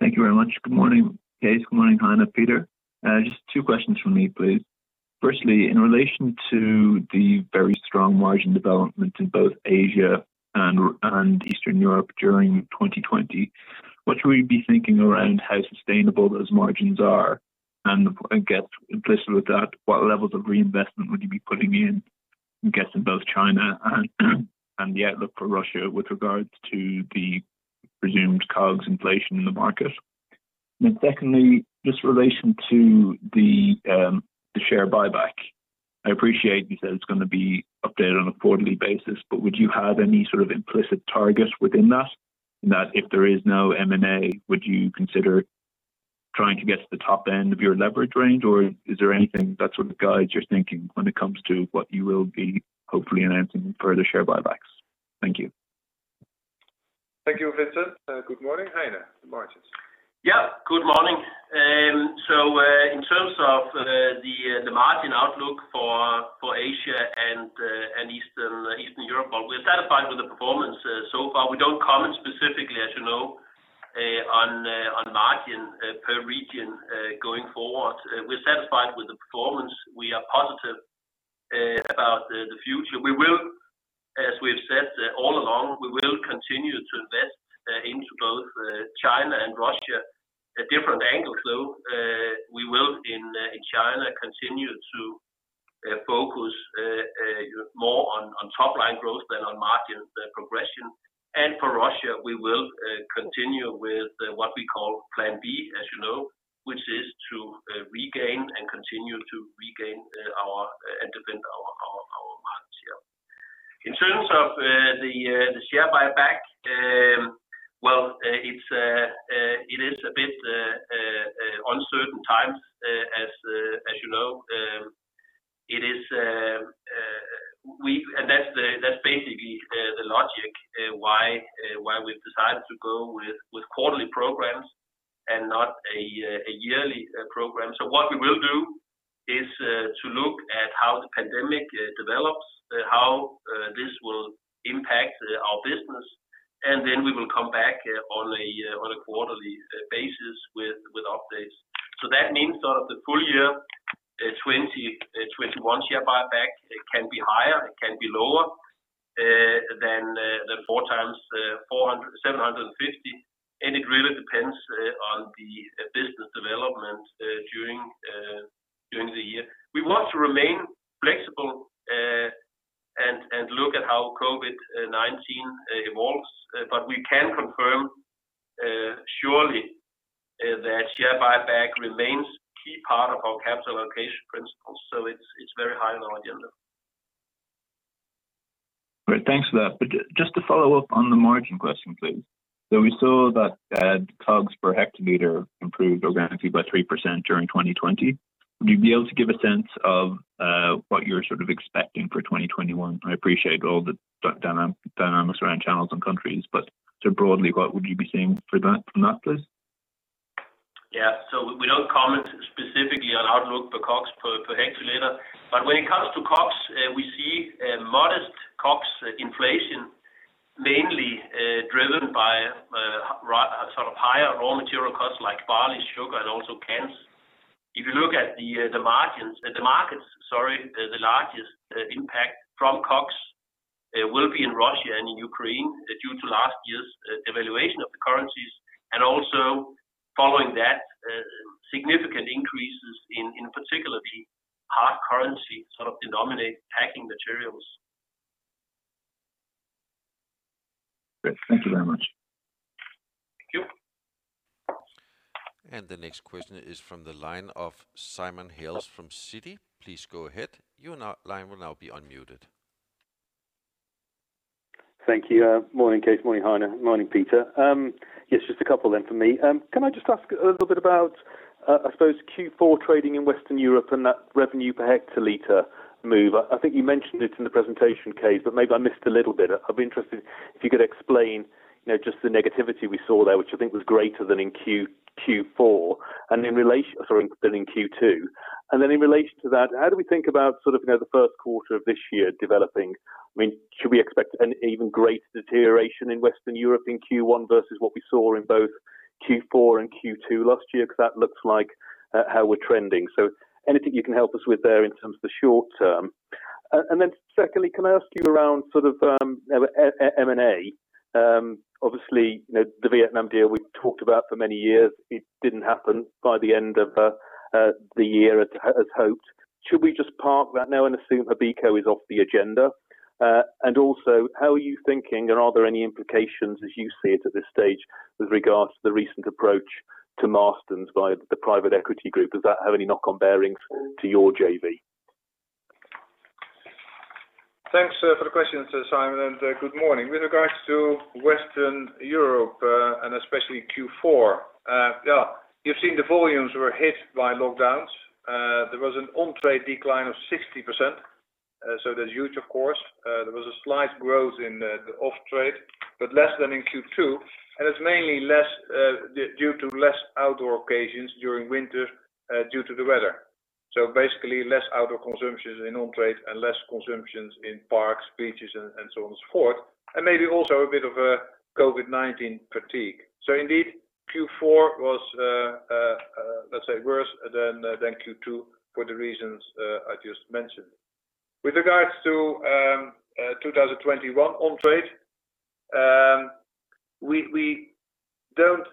Thank you very much. Good morning, Cees. Good morning, Heine, Peter. Just two questions from me, please. Firstly, in relation to the very strong margin development in both Asia and Eastern Europe during 2020, what should we be thinking around how sustainable those margins are? Implicit with that, what levels of reinvestment would you be putting in, I guess, in both China and the outlook for Russia with regards to the presumed COGS inflation in the market? Secondly, just relation to the share buyback. I appreciate you said it's going to be updated on a quarterly basis, but would you have any sort of implicit target within that? If there is no M&A, would you consider trying to get to the top end of your leverage range, or is there anything that sort of guides your thinking when it comes to what you will be hopefully announcing further share buybacks? Thank you. Thank you, Fintan. Good morning, Heine. [inaudible] Yeah, good morning. In terms of the margin outlook for Asia and Eastern Europe, well, we're satisfied with the performance so far. We don't comment specifically, as you know, on margin per region going forward. We're satisfied with the performance. We are positive about the future. As we have said all along, we will continue to invest into both China and Russia at different angles, though. We will, in China, continue to focus more on top-line growth than on margin progression. For Russia, we will continue with what we call Plan B, as you know, which is to regain and continue to regain and defend our markets here. In terms of the share buyback, well, it is a bit uncertain times, as you know. That's basically the logic why we've decided to go with quarterly programs and not a yearly program. What we will do is to look at how the pandemic develops, how this will impact our business, and then we will come back on a quarterly basis with updates. That means the full year 2021 share buyback, it can be higher, it can be lower than the 4x 400-750, and it really depends on the business development during the year. We want to remain flexible and look at how COVID-19 evolves. We can confirm surely that share buyback remains key part of our capital allocation principles, so it's very high on our agenda. Great. Thanks for that. Just to follow up on the margin question, please. We saw that COGS per hectolitre improved organically by 3% during 2020. Would you be able to give a sense of what you're sort of expecting for 2021? I appreciate all the dynamics around channels and countries, but sort of broadly, what would you be saying from that, please? We don't comment specifically on outlook for COGS per hectolitre. When it comes to COGS, we see a modest COGS inflation, mainly driven by higher raw material costs like barley, sugar, and also cans. If you look at the markets, the largest impact from COGS will be in Russia and in Ukraine due to last year's devaluation of the currencies, and also following that, significant increases in particular the hard currency dominate packing materials. Great. Thank you very much. Thank you. The next question is from the line of Simon Hales from Citi. Please go ahead. Your line will be unmuted. Thank you. Morning, Cees. Morning, Heine. Morning, Peter. Just a couple then from me. Can I just ask a little bit about, I suppose, Q4 trading in Western Europe and that revenue per hectolitre move? I think you mentioned it in the presentation, Cees, maybe I missed a little bit. I'd be interested if you could explain just the negativity we saw there, which I think was greater than in Q4, sorry, than in Q2. In relation to that, how do we think about the first quarter of this year developing? Should we expect an even greater deterioration in Western Europe in Q1 versus what we saw in both Q4 and Q2 last year? That looks like how we're trending. Anything you can help us with there in terms of the short term. Secondly, can I ask you around M&A? Obviously, the Vietnam deal we've talked about for many years. It didn't happen by the end of the year as hoped. Should we just park that now and assume HABECO is off the agenda? And also how are you thinking, and are there any implications as you see it at this stage with regards to the recent approach to Marston's by the private equity Group? Does that have any comparing to your JV? Thanks for the questions, Simon. Good morning. With regards to Western Europe, especially Q4, you've seen the volumes were hit by lockdowns. There was an on-trade decline of 60%. That's huge of course. There was a slight growth in the off-trade, less than in Q2. It's mainly due to less outdoor occasions during winter due to the weather. Basically less outdoor consumptions in on-trade and less consumptions in parks, beaches, so on and so forth. Maybe also a bit of a COVID-19 fatigue. Indeed, Q4 was, let's say, worse than Q2 for the reasons I just mentioned. With regards to 2021 on-trade. We don't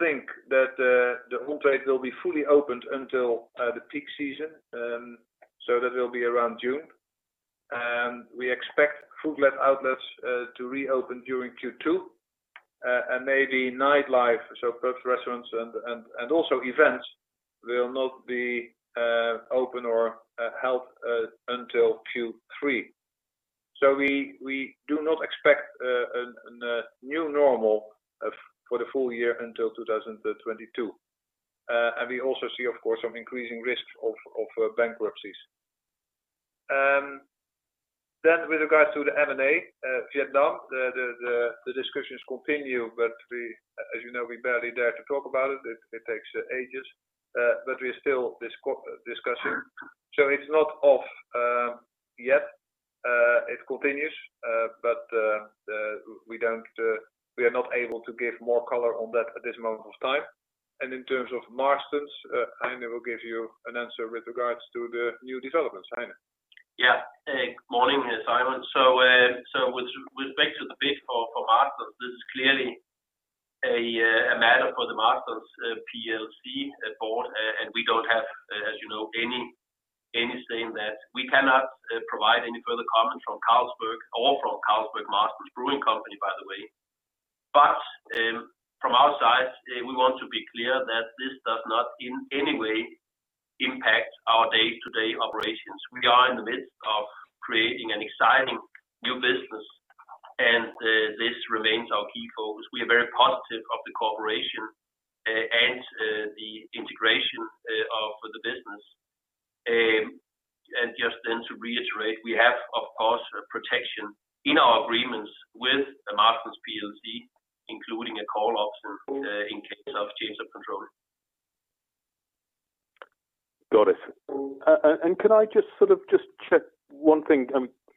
think that the whole trade will be fully opened until the peak season. That will be around June. We expect food-led outlets to reopen during Q2, and maybe nightlife, so pubs, restaurants, and also events, will not be open or held until Q3. We do not expect a new normal for the full year until 2022. We also see, of course, some increasing risks of bankruptcies. With regards to the M&A, Vietnam, the discussions continue, but as you know, we barely dare to talk about it. It takes ages. We are still discussing. It's not off yet. It continues. We are not able to give more color on that at this moment of time. In terms of Marston's, Heine will give you an answer with regards to the new developments. Heine? Good morning, Simon. With respect to the bid for Marston's, this is clearly a matter for the Marston's PLC Board. We cannot provide any further comment from Carlsberg or from Carlsberg Marston's Brewing Company, by the way. From our side, we want to be clear that this does not in any way impact our day-to-day operations. We are in the midst of creating an exciting new business, and this remains our key focus. We are very positive of the cooperation and the integration for the business. Just then to reiterate, we have, of course, protection in our agreements with Marston's PLC, including a call option in case of change of control. Got it. Can I just check one thing,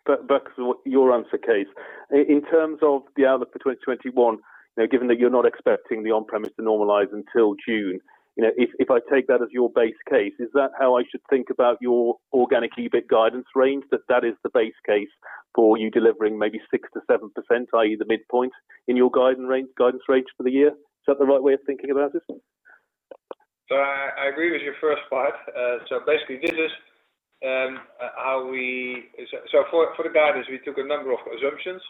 back to your answer, Cees? In terms of the outlook for 2021, given that you're not expecting the on-premise to normalize until June, if I take that as your base case, is that how I should think about your organic EBIT guidance range? That is the base case for you delivering maybe 6%-7%, i.e. the midpoint in your guidance range for the year? Is that the right way of thinking about this? I agree with your first part. Basically, for the guidance, we took a number of assumptions,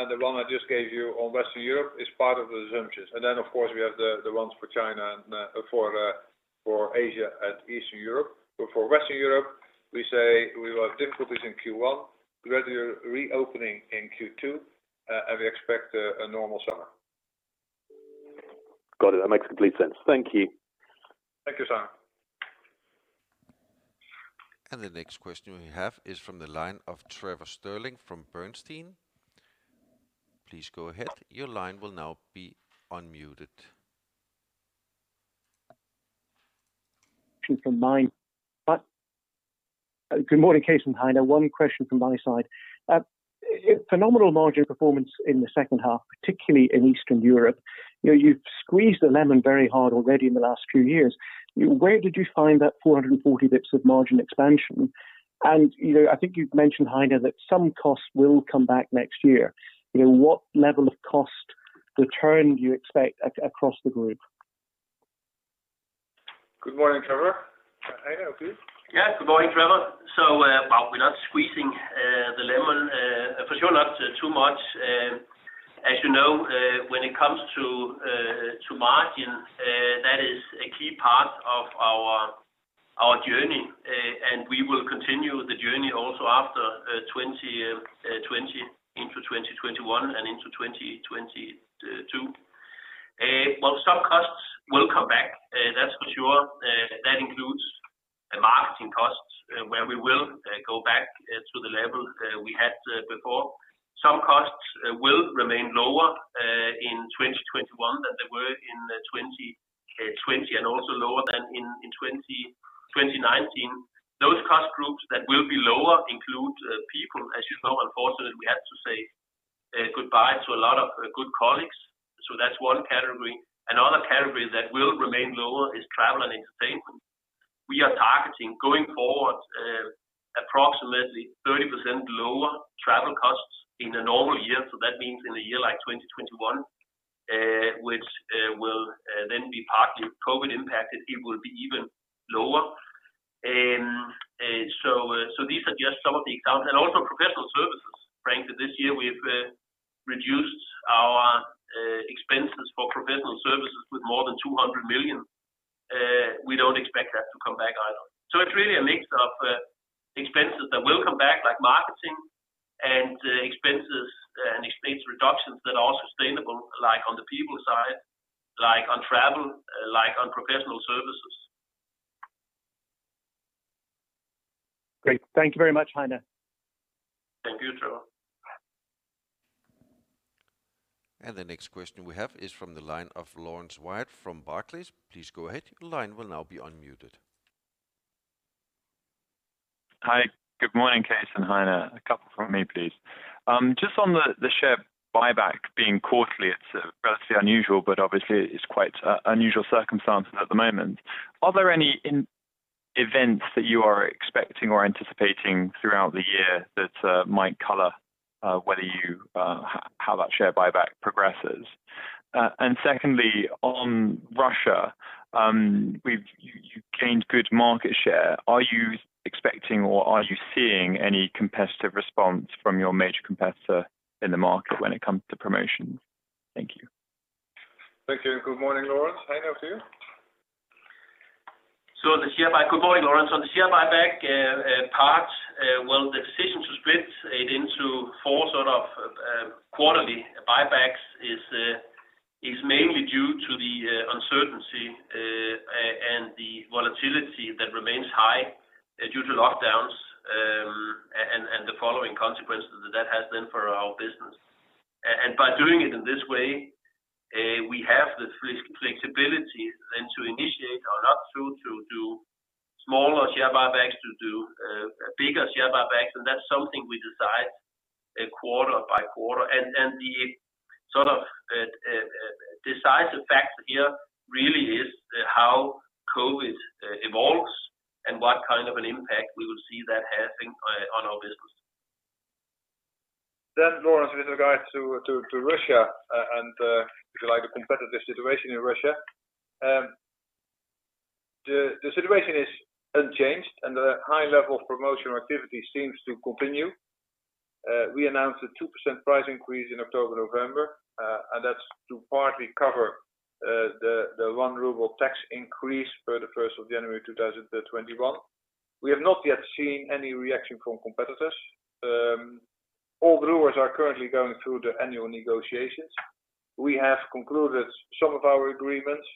and the one I just gave you on Western Europe is part of the assumptions. Then, of course, we have the ones for China and for Asia and Eastern Europe. For Western Europe, we say we will have difficulties in Q1, gradual reopening in Q2, and we expect a normal summer. Got it. That makes complete sense. Thank you. Thank you, Simon. The next question we have is from the line of Trevor Stirling from Bernstein. Your line will now be unmuted. Good morning, Cees and Heine. One question from my side. Phenomenal margin performance in the second half, particularly in Eastern Europe. You've squeezed the lemon very hard already in the last few years. Where did you find that 440 basis points of margin expansion? I think you've mentioned, Heine, that some costs will come back next year. What level of cost return do you expect across the Group? Good morning, Trevor. Heine, up to you? Good morning, Trevor. Well, we're not squeezing the lemon, for sure not too much. As you know, when it comes to margin, that is a key part of our journey, we will continue the journey also after 2021 and into 2022. Well, some costs will come back, that's for sure. That includes marketing costs, where we will go back to the level we had before. Some costs will remain lower in 2021 than they were in 2020, also lower than in 2019. Those cost Groups that will be lower include people. As you know, unfortunately, we had to say goodbye to a lot of good colleagues. That's one category. Another category that will remain lower is travel and entertainment. We are targeting, going forward, approximately 30% lower travel costs in a normal year. That means in a year like 2021, which will then be partly COVID-19 impacted, it will be even lower. These are just some of the accounts. Also professional services. Frankly, this year, we've reduced our expenses for professional services with more than 200 million. We don't expect that to come back either. It's really a mix of expenses that will come back, like marketing, and expense reductions that are sustainable, like on the people side, like on travel, like on professional services. Great. Thank you very much, Heine. Thank you, Trevor. The next question we have is from the line of Laurence Whyatt from Barclays. Please go ahead. Your line will now be unmuted. Hi. Good morning, Cees and Heine. A couple from me, please. Just on the share buyback being quarterly, it's relatively unusual, but obviously, it's quite unusual circumstances at the moment. Are there any events that you are expecting or anticipating throughout the year that might color how that share buyback progresses? Secondly, on Russia, you've gained good market share. Are you expecting, or are you seeing any competitive response from your major competitor in the market when it comes to promotions? Thank you. Thank you. Good morning, Laurence. Heine to you? Good morning, Laurence. On the share buyback part, well, the decision to split it into four sort of quarterly buybacks is mainly due to the uncertainty and the volatility that remains high due to lockdowns, and the following consequences that has then for our business. By doing it in this way, we have the flexibility then to initiate or not to do smaller share buybacks, to do bigger share buybacks, that's something we decide quarter by quarter. The decisive factor here really is how COVID-19 evolves and what kind of an impact we will see that having on our business. Laurence, with regard to Russia, and if you like, the competitive situation in Russia. The situation is unchanged and the high level of promotional activity seems to continue. We announced a 2% price increase in October, November, and that's to partly cover the 1 ruble of tax increase for the 1st of January 2021. We have not yet seen any reaction from competitors. All brewers are currently going through the annual negotiations. We have concluded some of our agreements,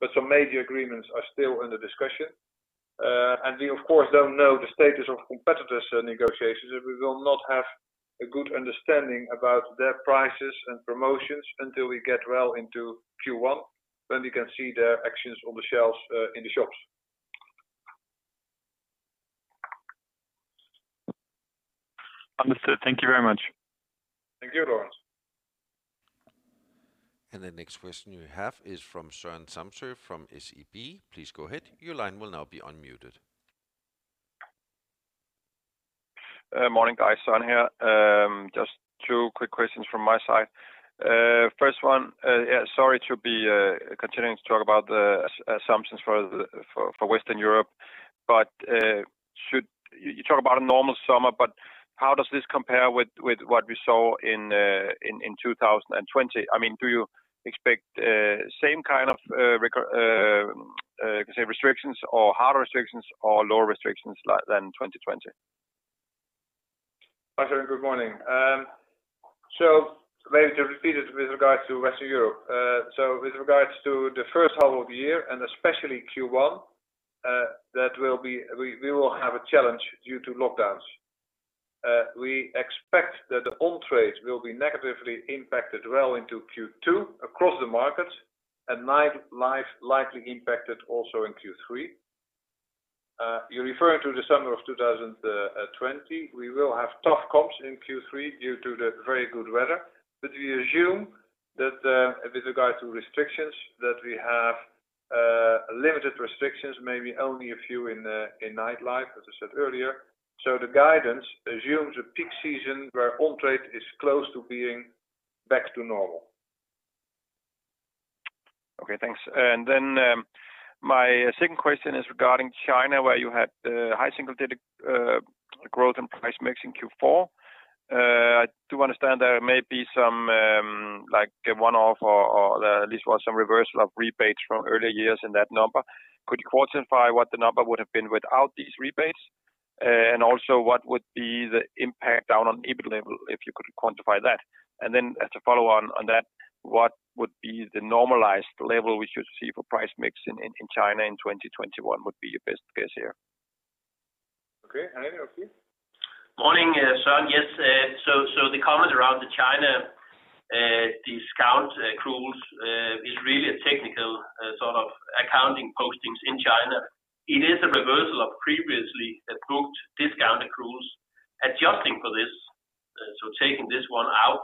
but some major agreements are still under discussion. We of course, don't know the status of competitors' negotiations, and we will not have a good understanding about their prices and promotions until we get well into Q1, when we can see their actions on the shelves in the shops. Understood. Thank you very much. Thank you, Laurence. The next question we have is from Søren Samsøe from SEB. Please go ahead. Your line will now be unmuted. Morning, guys. Søren here. Just two quick questions from my side. First one, sorry to be continuing to talk about the assumptions for Western Europe, but you talk about a normal summer, but how does this compare with what we saw in 2020? Do you expect same kind of restrictions or harder restrictions or lower restrictions than 2020? Hi Søren, good morning. Maybe to repeat it with regards to Western Europe. With regards to the first half of the year and especially Q1, we will have a challenge due to lockdowns. We expect that on-trade will be negatively impacted well into Q2 across the markets, and nightlife likely impacted also in Q3. You're referring to the summer of 2020. We will have tough comps in Q3 due to the very good weather, but we assume that with regard to restrictions, that we have limited restrictions, maybe only a few in nightlife as I said earlier. The guidance assumes a peak season where on-trade is close to being back to normal. Okay, thanks. My second question is regarding China, where you had high single-digit growth and price mix in Q4. I do understand there may be some one-off or at least some reversal of rebates from earlier years in that number. Could you quantify what the number would've been without these rebates? What would be the impact down on EBIT level, if you could quantify that? As a follow-on on that, what would be the normalized level we should see for price mix in China in 2021 would be your best guess here? Okay. Heine up to you? Morning, Søren. Yes. The comment around the China discount accruals is really a technical sort of accounting postings in China. It is a reversal of previously approved discount accruals adjusting for this. Taking this one out,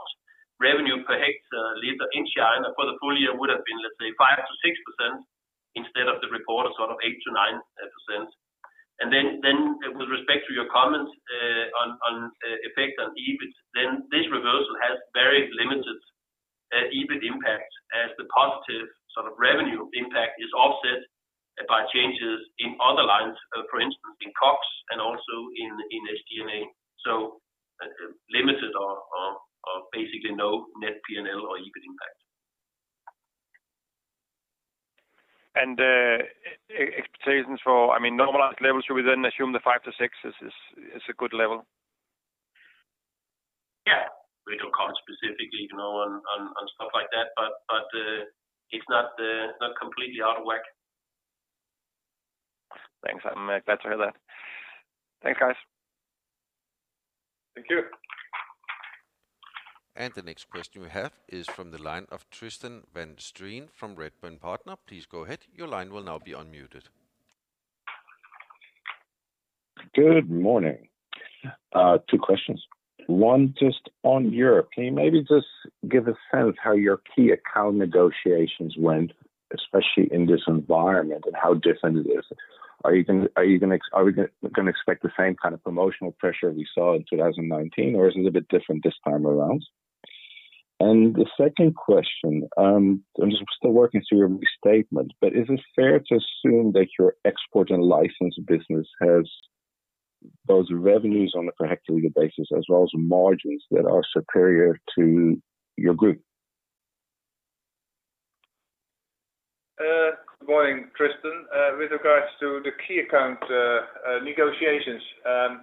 revenue per hectolitre in China for the full year would've been, let's say 5%-6% instead of the reported sort of 8%-9%. With respect to your comments on effect on EBIT, this reversal has very limited EBIT impact as the positive sort of revenue impact is offset by changes in other lines, for instance, in COGS and also in SG&A. Limited or basically no net P&L or EBIT impact. Expectations for normalized levels, should we then assume the 5%-6% is a good level? Yeah. We don't comment specifically on stuff like that, but it's not completely out of whack. Thanks. [inaudible] Thanks, guys. Thank you. The next question we have is from the line of Tristan van Strien from Redburn Partners. Please go ahead. Your line will now be unmuted. Good morning. Two questions. One, just on Europe. Can you maybe just give a sense how your key account negotiations went, especially in this environment, and how different it is? Are we going to expect the same kind of promotional pressure we saw in 2019, or is it a bit different this time around? The second question, I'm just still working through your restatement, but is it fair to assume that your export and license business has both revenues on a per hectolitre basis as well as margins that are superior to your Group? Good morning, Tristan. With regards to the key account negotiations,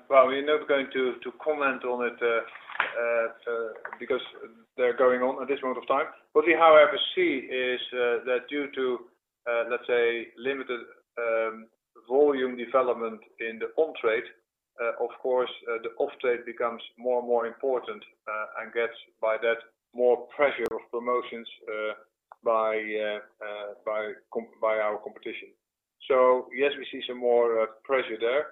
well, we're not going to comment on it because they're going on at this moment of time. What we, however, see is that due to, let's say, limited volume development in the on-trade, of course, the off-trade becomes more and more important and gets by that more pressure of promotions by our competition. Yes, we see some more pressure there.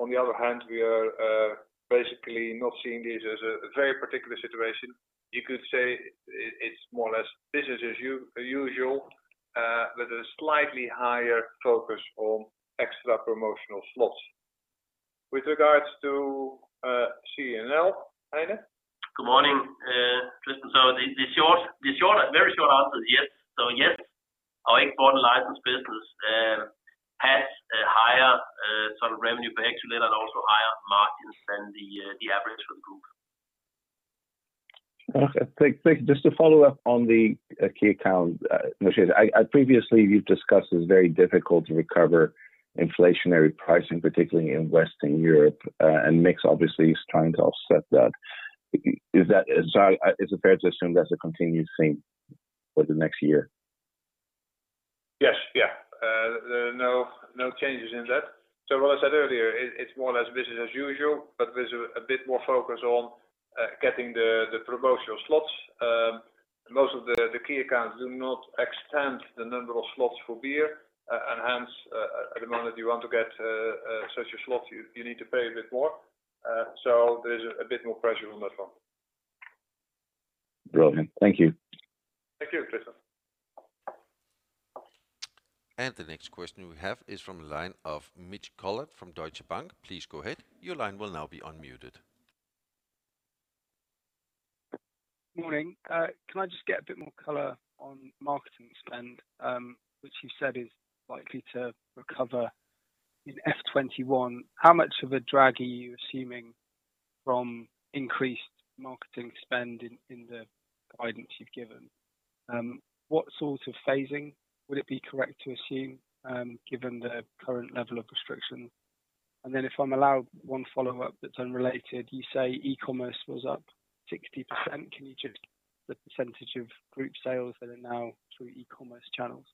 On the other hand, we are basically not seeing this as a very particular situation. You could say it's more or less business as usual with a slightly higher focus on extra promotional slots. With regards to CE&L, Heine? Good morning, Tristan. The very short answer is yes. Yes, our export and license business has a higher sort of revenue per hectolitre and also higher margins than the average for the Group. Okay, thanks. Just to follow up on the key account negotiations. Previously, you've discussed it's very difficult to recover inflationary pricing, particularly in Western Europe, and mix obviously is trying to offset that. Is it fair to assume that's a continued theme for the next year? Yes. There are no changes in that. What I said earlier, it's more or less business as usual, but with a bit more focus on getting the promotional slots. Most of the key accounts do not extend the number of slots for beer, and hence, at the moment, you want to get such a slot, you need to pay a bit more. There's a bit more pressure on that front. Brilliant. Thank you. Thank you, Tristan. The next question we have is from the line of Mitch Collett from Deutsche Bank. Please go ahead. Your line will now be unmuted. Morning. Can I just get a bit more color on marketing spend, which you said is likely to recover in FY 2021? How much of a drag are you assuming from increased marketing spend in the guidance you've given? What sort of phasing would it be correct to assume given the current level of restriction? If I'm allowed one follow-up that's unrelated, you say e-commerce was up 60%. Can you just give the percentage of Group sales that are now through e-commerce channels?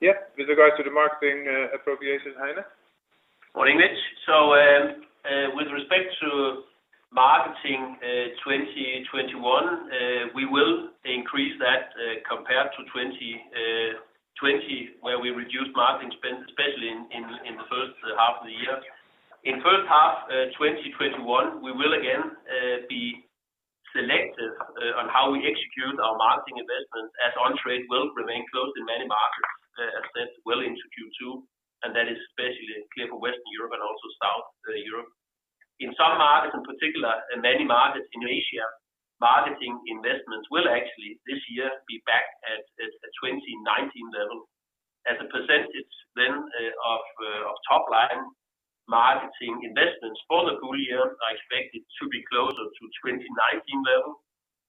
Yeah. With regards to the marketing appropriation, Heine? Morning, Mitch. With respect to marketing 2021, we will increase that compared to 2020, where we reduced marketing spend, especially in the first half of the year. In first half 2021, we will again be selective on how we execute our marketing investments, as on-trade will remain closed in many markets, as said, well into Q2, and that is especially clear for Western Europe and also South Europe. In some markets in particular, many markets in Asia, marketing investments will actually this year be back at a 2019 level as a percentage then of top-line marketing investments for the full year, I expect it to be closer to 2019 level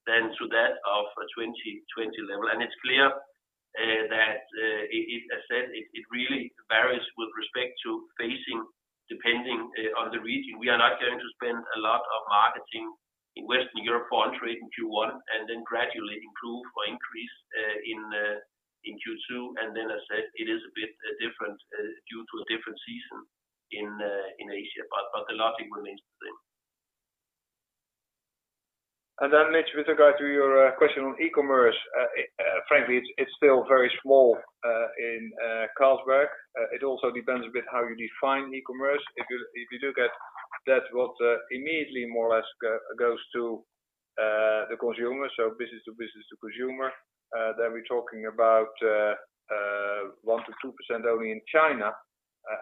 than to that of 2020 level. It's clear that, as I said, it really varies with respect to phasing, depending on the region. We are not going to spend a lot of marketing in Western Europe for on-trade in Q1 and then gradually improve or increase in Q2. As I said, it is a bit different due to a different season in Asia. The logic remains the same. Mitch, with regard to your question on e-commerce, frankly, it's still very small in Carlsberg. It also depends a bit how you define e-commerce. If you look at that, what immediately more or less goes to the consumer, so Business-to-Business-to-Consumer, then we're talking about 1%-2% only in China.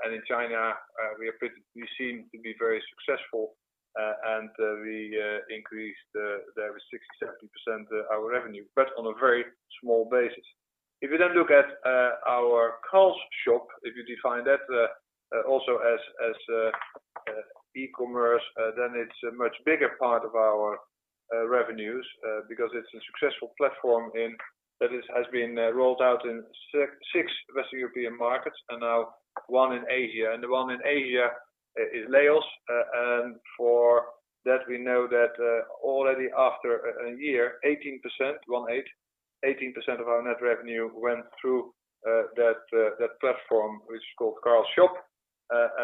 In China, we seem to be very successful, and we increased there with 60%-70% our revenue, but on a very small basis. If you then look at our Carl's Shop, if you define that also as e-commerce, then it's a much bigger part of our revenues because it's a successful platform that has been rolled out in six Western European markets and now one in Asia. And the one in Asia is Beerlao. For that, we know that already after a year, 18% of our net revenue went through that platform, which is called Carl's Shop.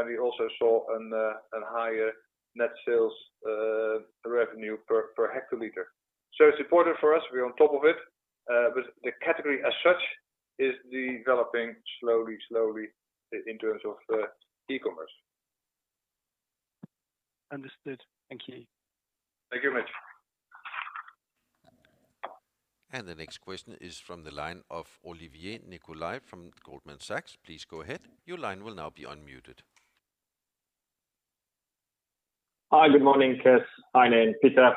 We also saw a higher net sales revenue per hectolitre. It's important for us. We're on top of it. The category as such is developing slowly in terms of e-commerce. Understood. Thank you. Thank you Mitch. The next question is from the line of Olivier Nicolai from Goldman Sachs. Please go ahead. Your line will now be unmuted. Hi, good morning, Cees, Heine, Peter.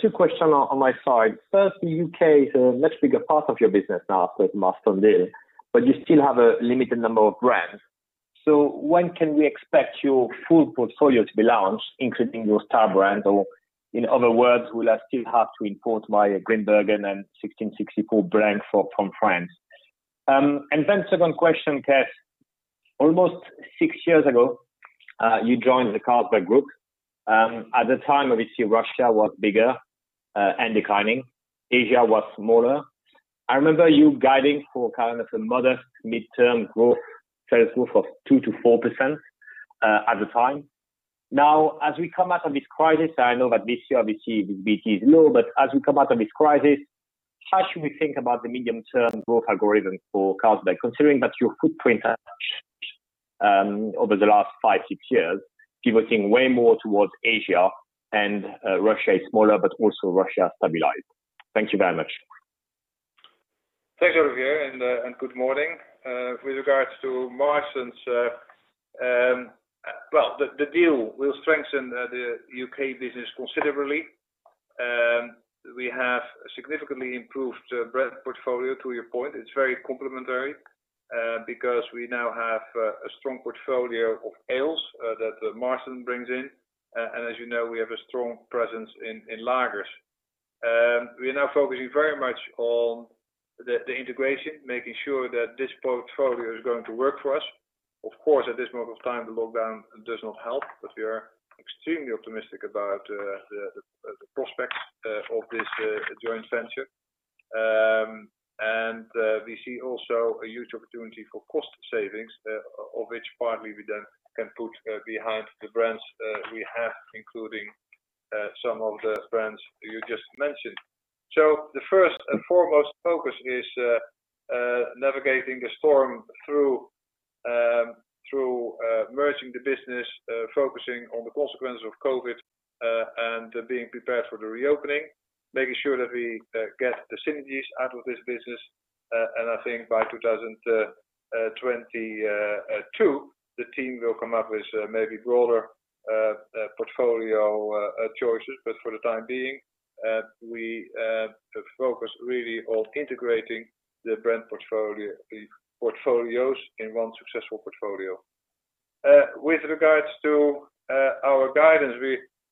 Two questions on my side. First, the U.K. is a much bigger part of your business now with Carlsberg Marston's deal, but you still have a limited number of brands. When can we expect your full portfolio to be launched, including your star brands? In other words, will I still have to import my Grimbergen and 1664 Blanc from France? Second question, Cees. Almost six years ago, you joined the Carlsberg Group. At the time, obviously, Russia was bigger and declining. Asia was smaller. I remember you guiding for kind of a modest midterm growth, sales growth of 2%-4%, at the time. Now, as we come out of this crisis, I know that this year obviously the business is low, but as we come out of this crisis, how should we think about the medium-term growth algorithm for Carlsberg, considering that your footprint has changed over the last five, six years, pivoting way more towards Asia, and Russia is smaller, but also Russia stabilized. Thank you very much. Thanks, Olivier. Good morning. With regards to Marston's, well, the deal will strengthen the U.K. business considerably. We have significantly improved brand portfolio to your point. It's very complementary, because we now have a strong portfolio of ales that Marston brings in. As you know, we have a strong presence in lagers. We are now focusing very much on the integration, making sure that this portfolio is going to work for us. Of course, at this moment of time, the lockdown does not help. We are extremely optimistic about the prospects of this joint venture. We see also a huge opportunity for cost savings, of which partly we then can put behind the brands we have, including some of the brands you just mentioned. The first and foremost focus is navigating the storm through merging the business, focusing on the consequences of COVID, and being prepared for the reopening, making sure that we get the synergies out of this business. I think by 2022, the team will come up with maybe broader portfolio choices. For the time being, we focus really on integrating the brand portfolios in one successful portfolio. With regards to our guidance,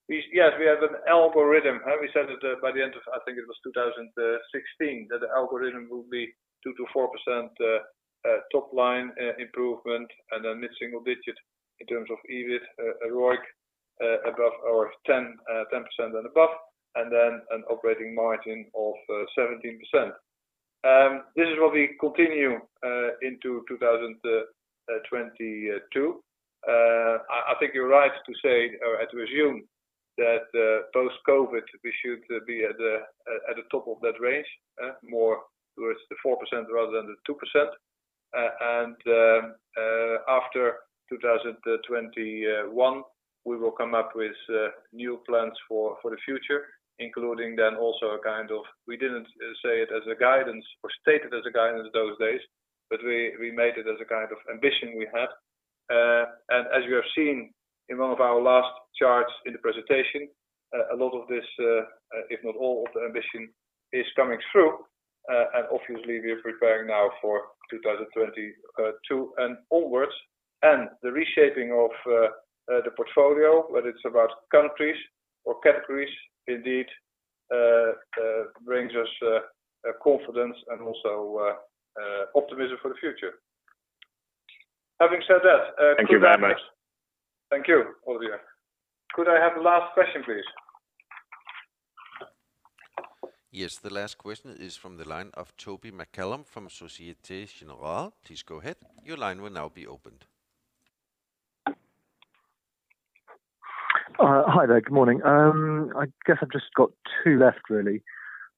yes, we have an algorithm. We said it by the end of, I think it was 2016, that the algorithm will be 2%-4% top line improvement, and then mid-single digit in terms of EBIT, ROIC, 10% and above, and then an operating margin of 17%. This is what we continue into 2022. I think you're right to say or to assume that post-COVID, we should be at the top of that range, more towards the 4% rather than the 2%. After 2021, we will come up with new plans for the future, including then also a kind of, we didn't say it as a guidance or state it as a guidance those days, but we made it as a kind of ambition we had. As you have seen in one of our last charts in the presentation, a lot of this, if not all of the ambition is coming through. Obviously, we are preparing now for 2022 and onwards. The reshaping of the portfolio, whether it's about countries or categories, indeed brings us confidence and also optimism for the future. Having said that- Thank you very much. Thank you, Olivier. Could I have the last question, please? Yes, the last question is from the line of Toby McCullagh from Société Générale. Please go ahead. Your line will now be open. Hi there. Good morning. I guess I've just got two left, really.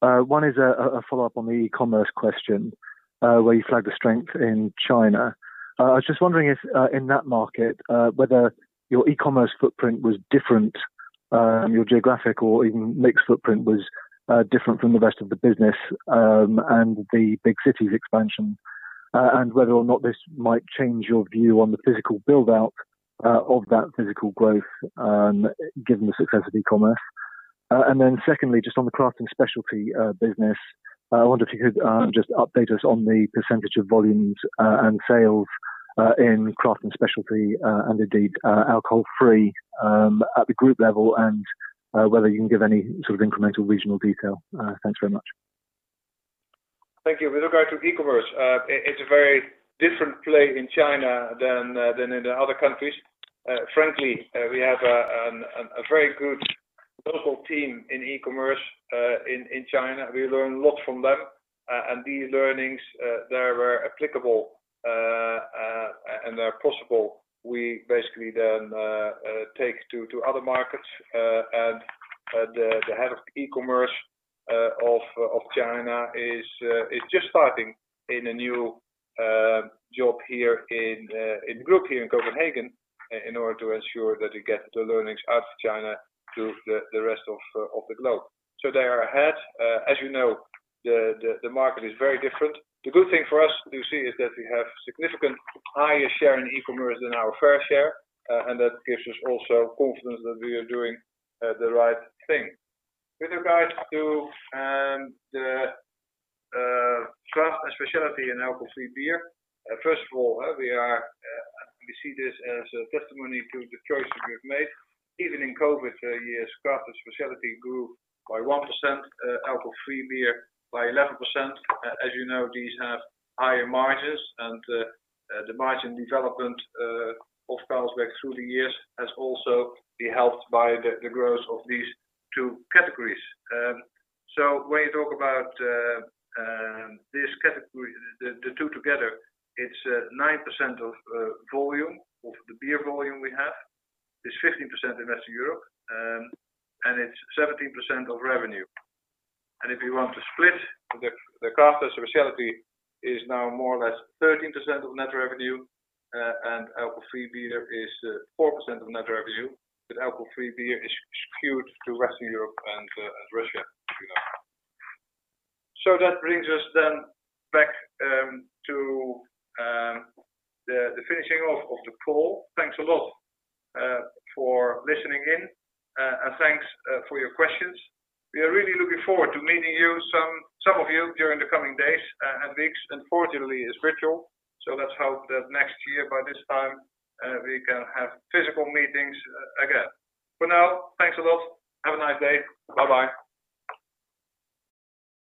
One is a follow-up on the e-commerce question, where you flagged a strength in China. I was just wondering if, in that market, whether your e-commerce footprint was different, your geographic or even mixed footprint was different from the rest of the business, and the big cities expansion, and whether or not this might change your view on the physical build-out of that physical growth, given the success of e-commerce. Secondly, just on the craft and specialty business, I wonder if you could just update us on the percentage of volumes and sales in craft and specialty, and indeed alcohol-free at the Group level and whether you can give any sort of incremental regional detail. Thanks very much. Thank you. With regard to e-commerce, it's a very different play in China than in the other countries. Frankly, we have a very good local team in e-commerce in China. We learn a lot from them. These learnings there were applicable, where possible, we basically then take to other markets. The head of e-commerce of China is just starting in a new job here in Group here in Copenhagen in order to ensure that we get the learnings out of China to the rest of the globe. They are ahead. As you know, the market is very different. The good thing for us we see is that we have significant higher share in e-commerce than our fair share. That gives us also confidence that we are doing the right thing. With regards to the craft and specialty and alcohol-free beer, first of all, we see this as a testimony to the choices we've made. Even in COVID year, craft and specialty grew by 1%, alcohol-free beer by 11%. As you know, these have higher margins, and the margin development of Carlsberg through the years has also been helped by the growth of these two categories. When you talk about this category, the two together, it's 9% of the beer volume we have. It's 15% in Western Europe, and it's 17% of revenue. If you want to split the craft and specialty is now more or less 13% of net revenue, and alcohol-free beer is 4% of net revenue. Alcohol-free beer is skewed to Western Europe and Russia, as you know. That brings us then back to the finishing off of the call. Thanks a lot for listening in, and thanks for your questions. We are really looking forward to meeting some of you during the coming days and weeks. Unfortunately, it's virtual, so let's hope that next year by this time, we can have physical meetings again. For now, thanks a lot. Have a nice day. Bye-bye.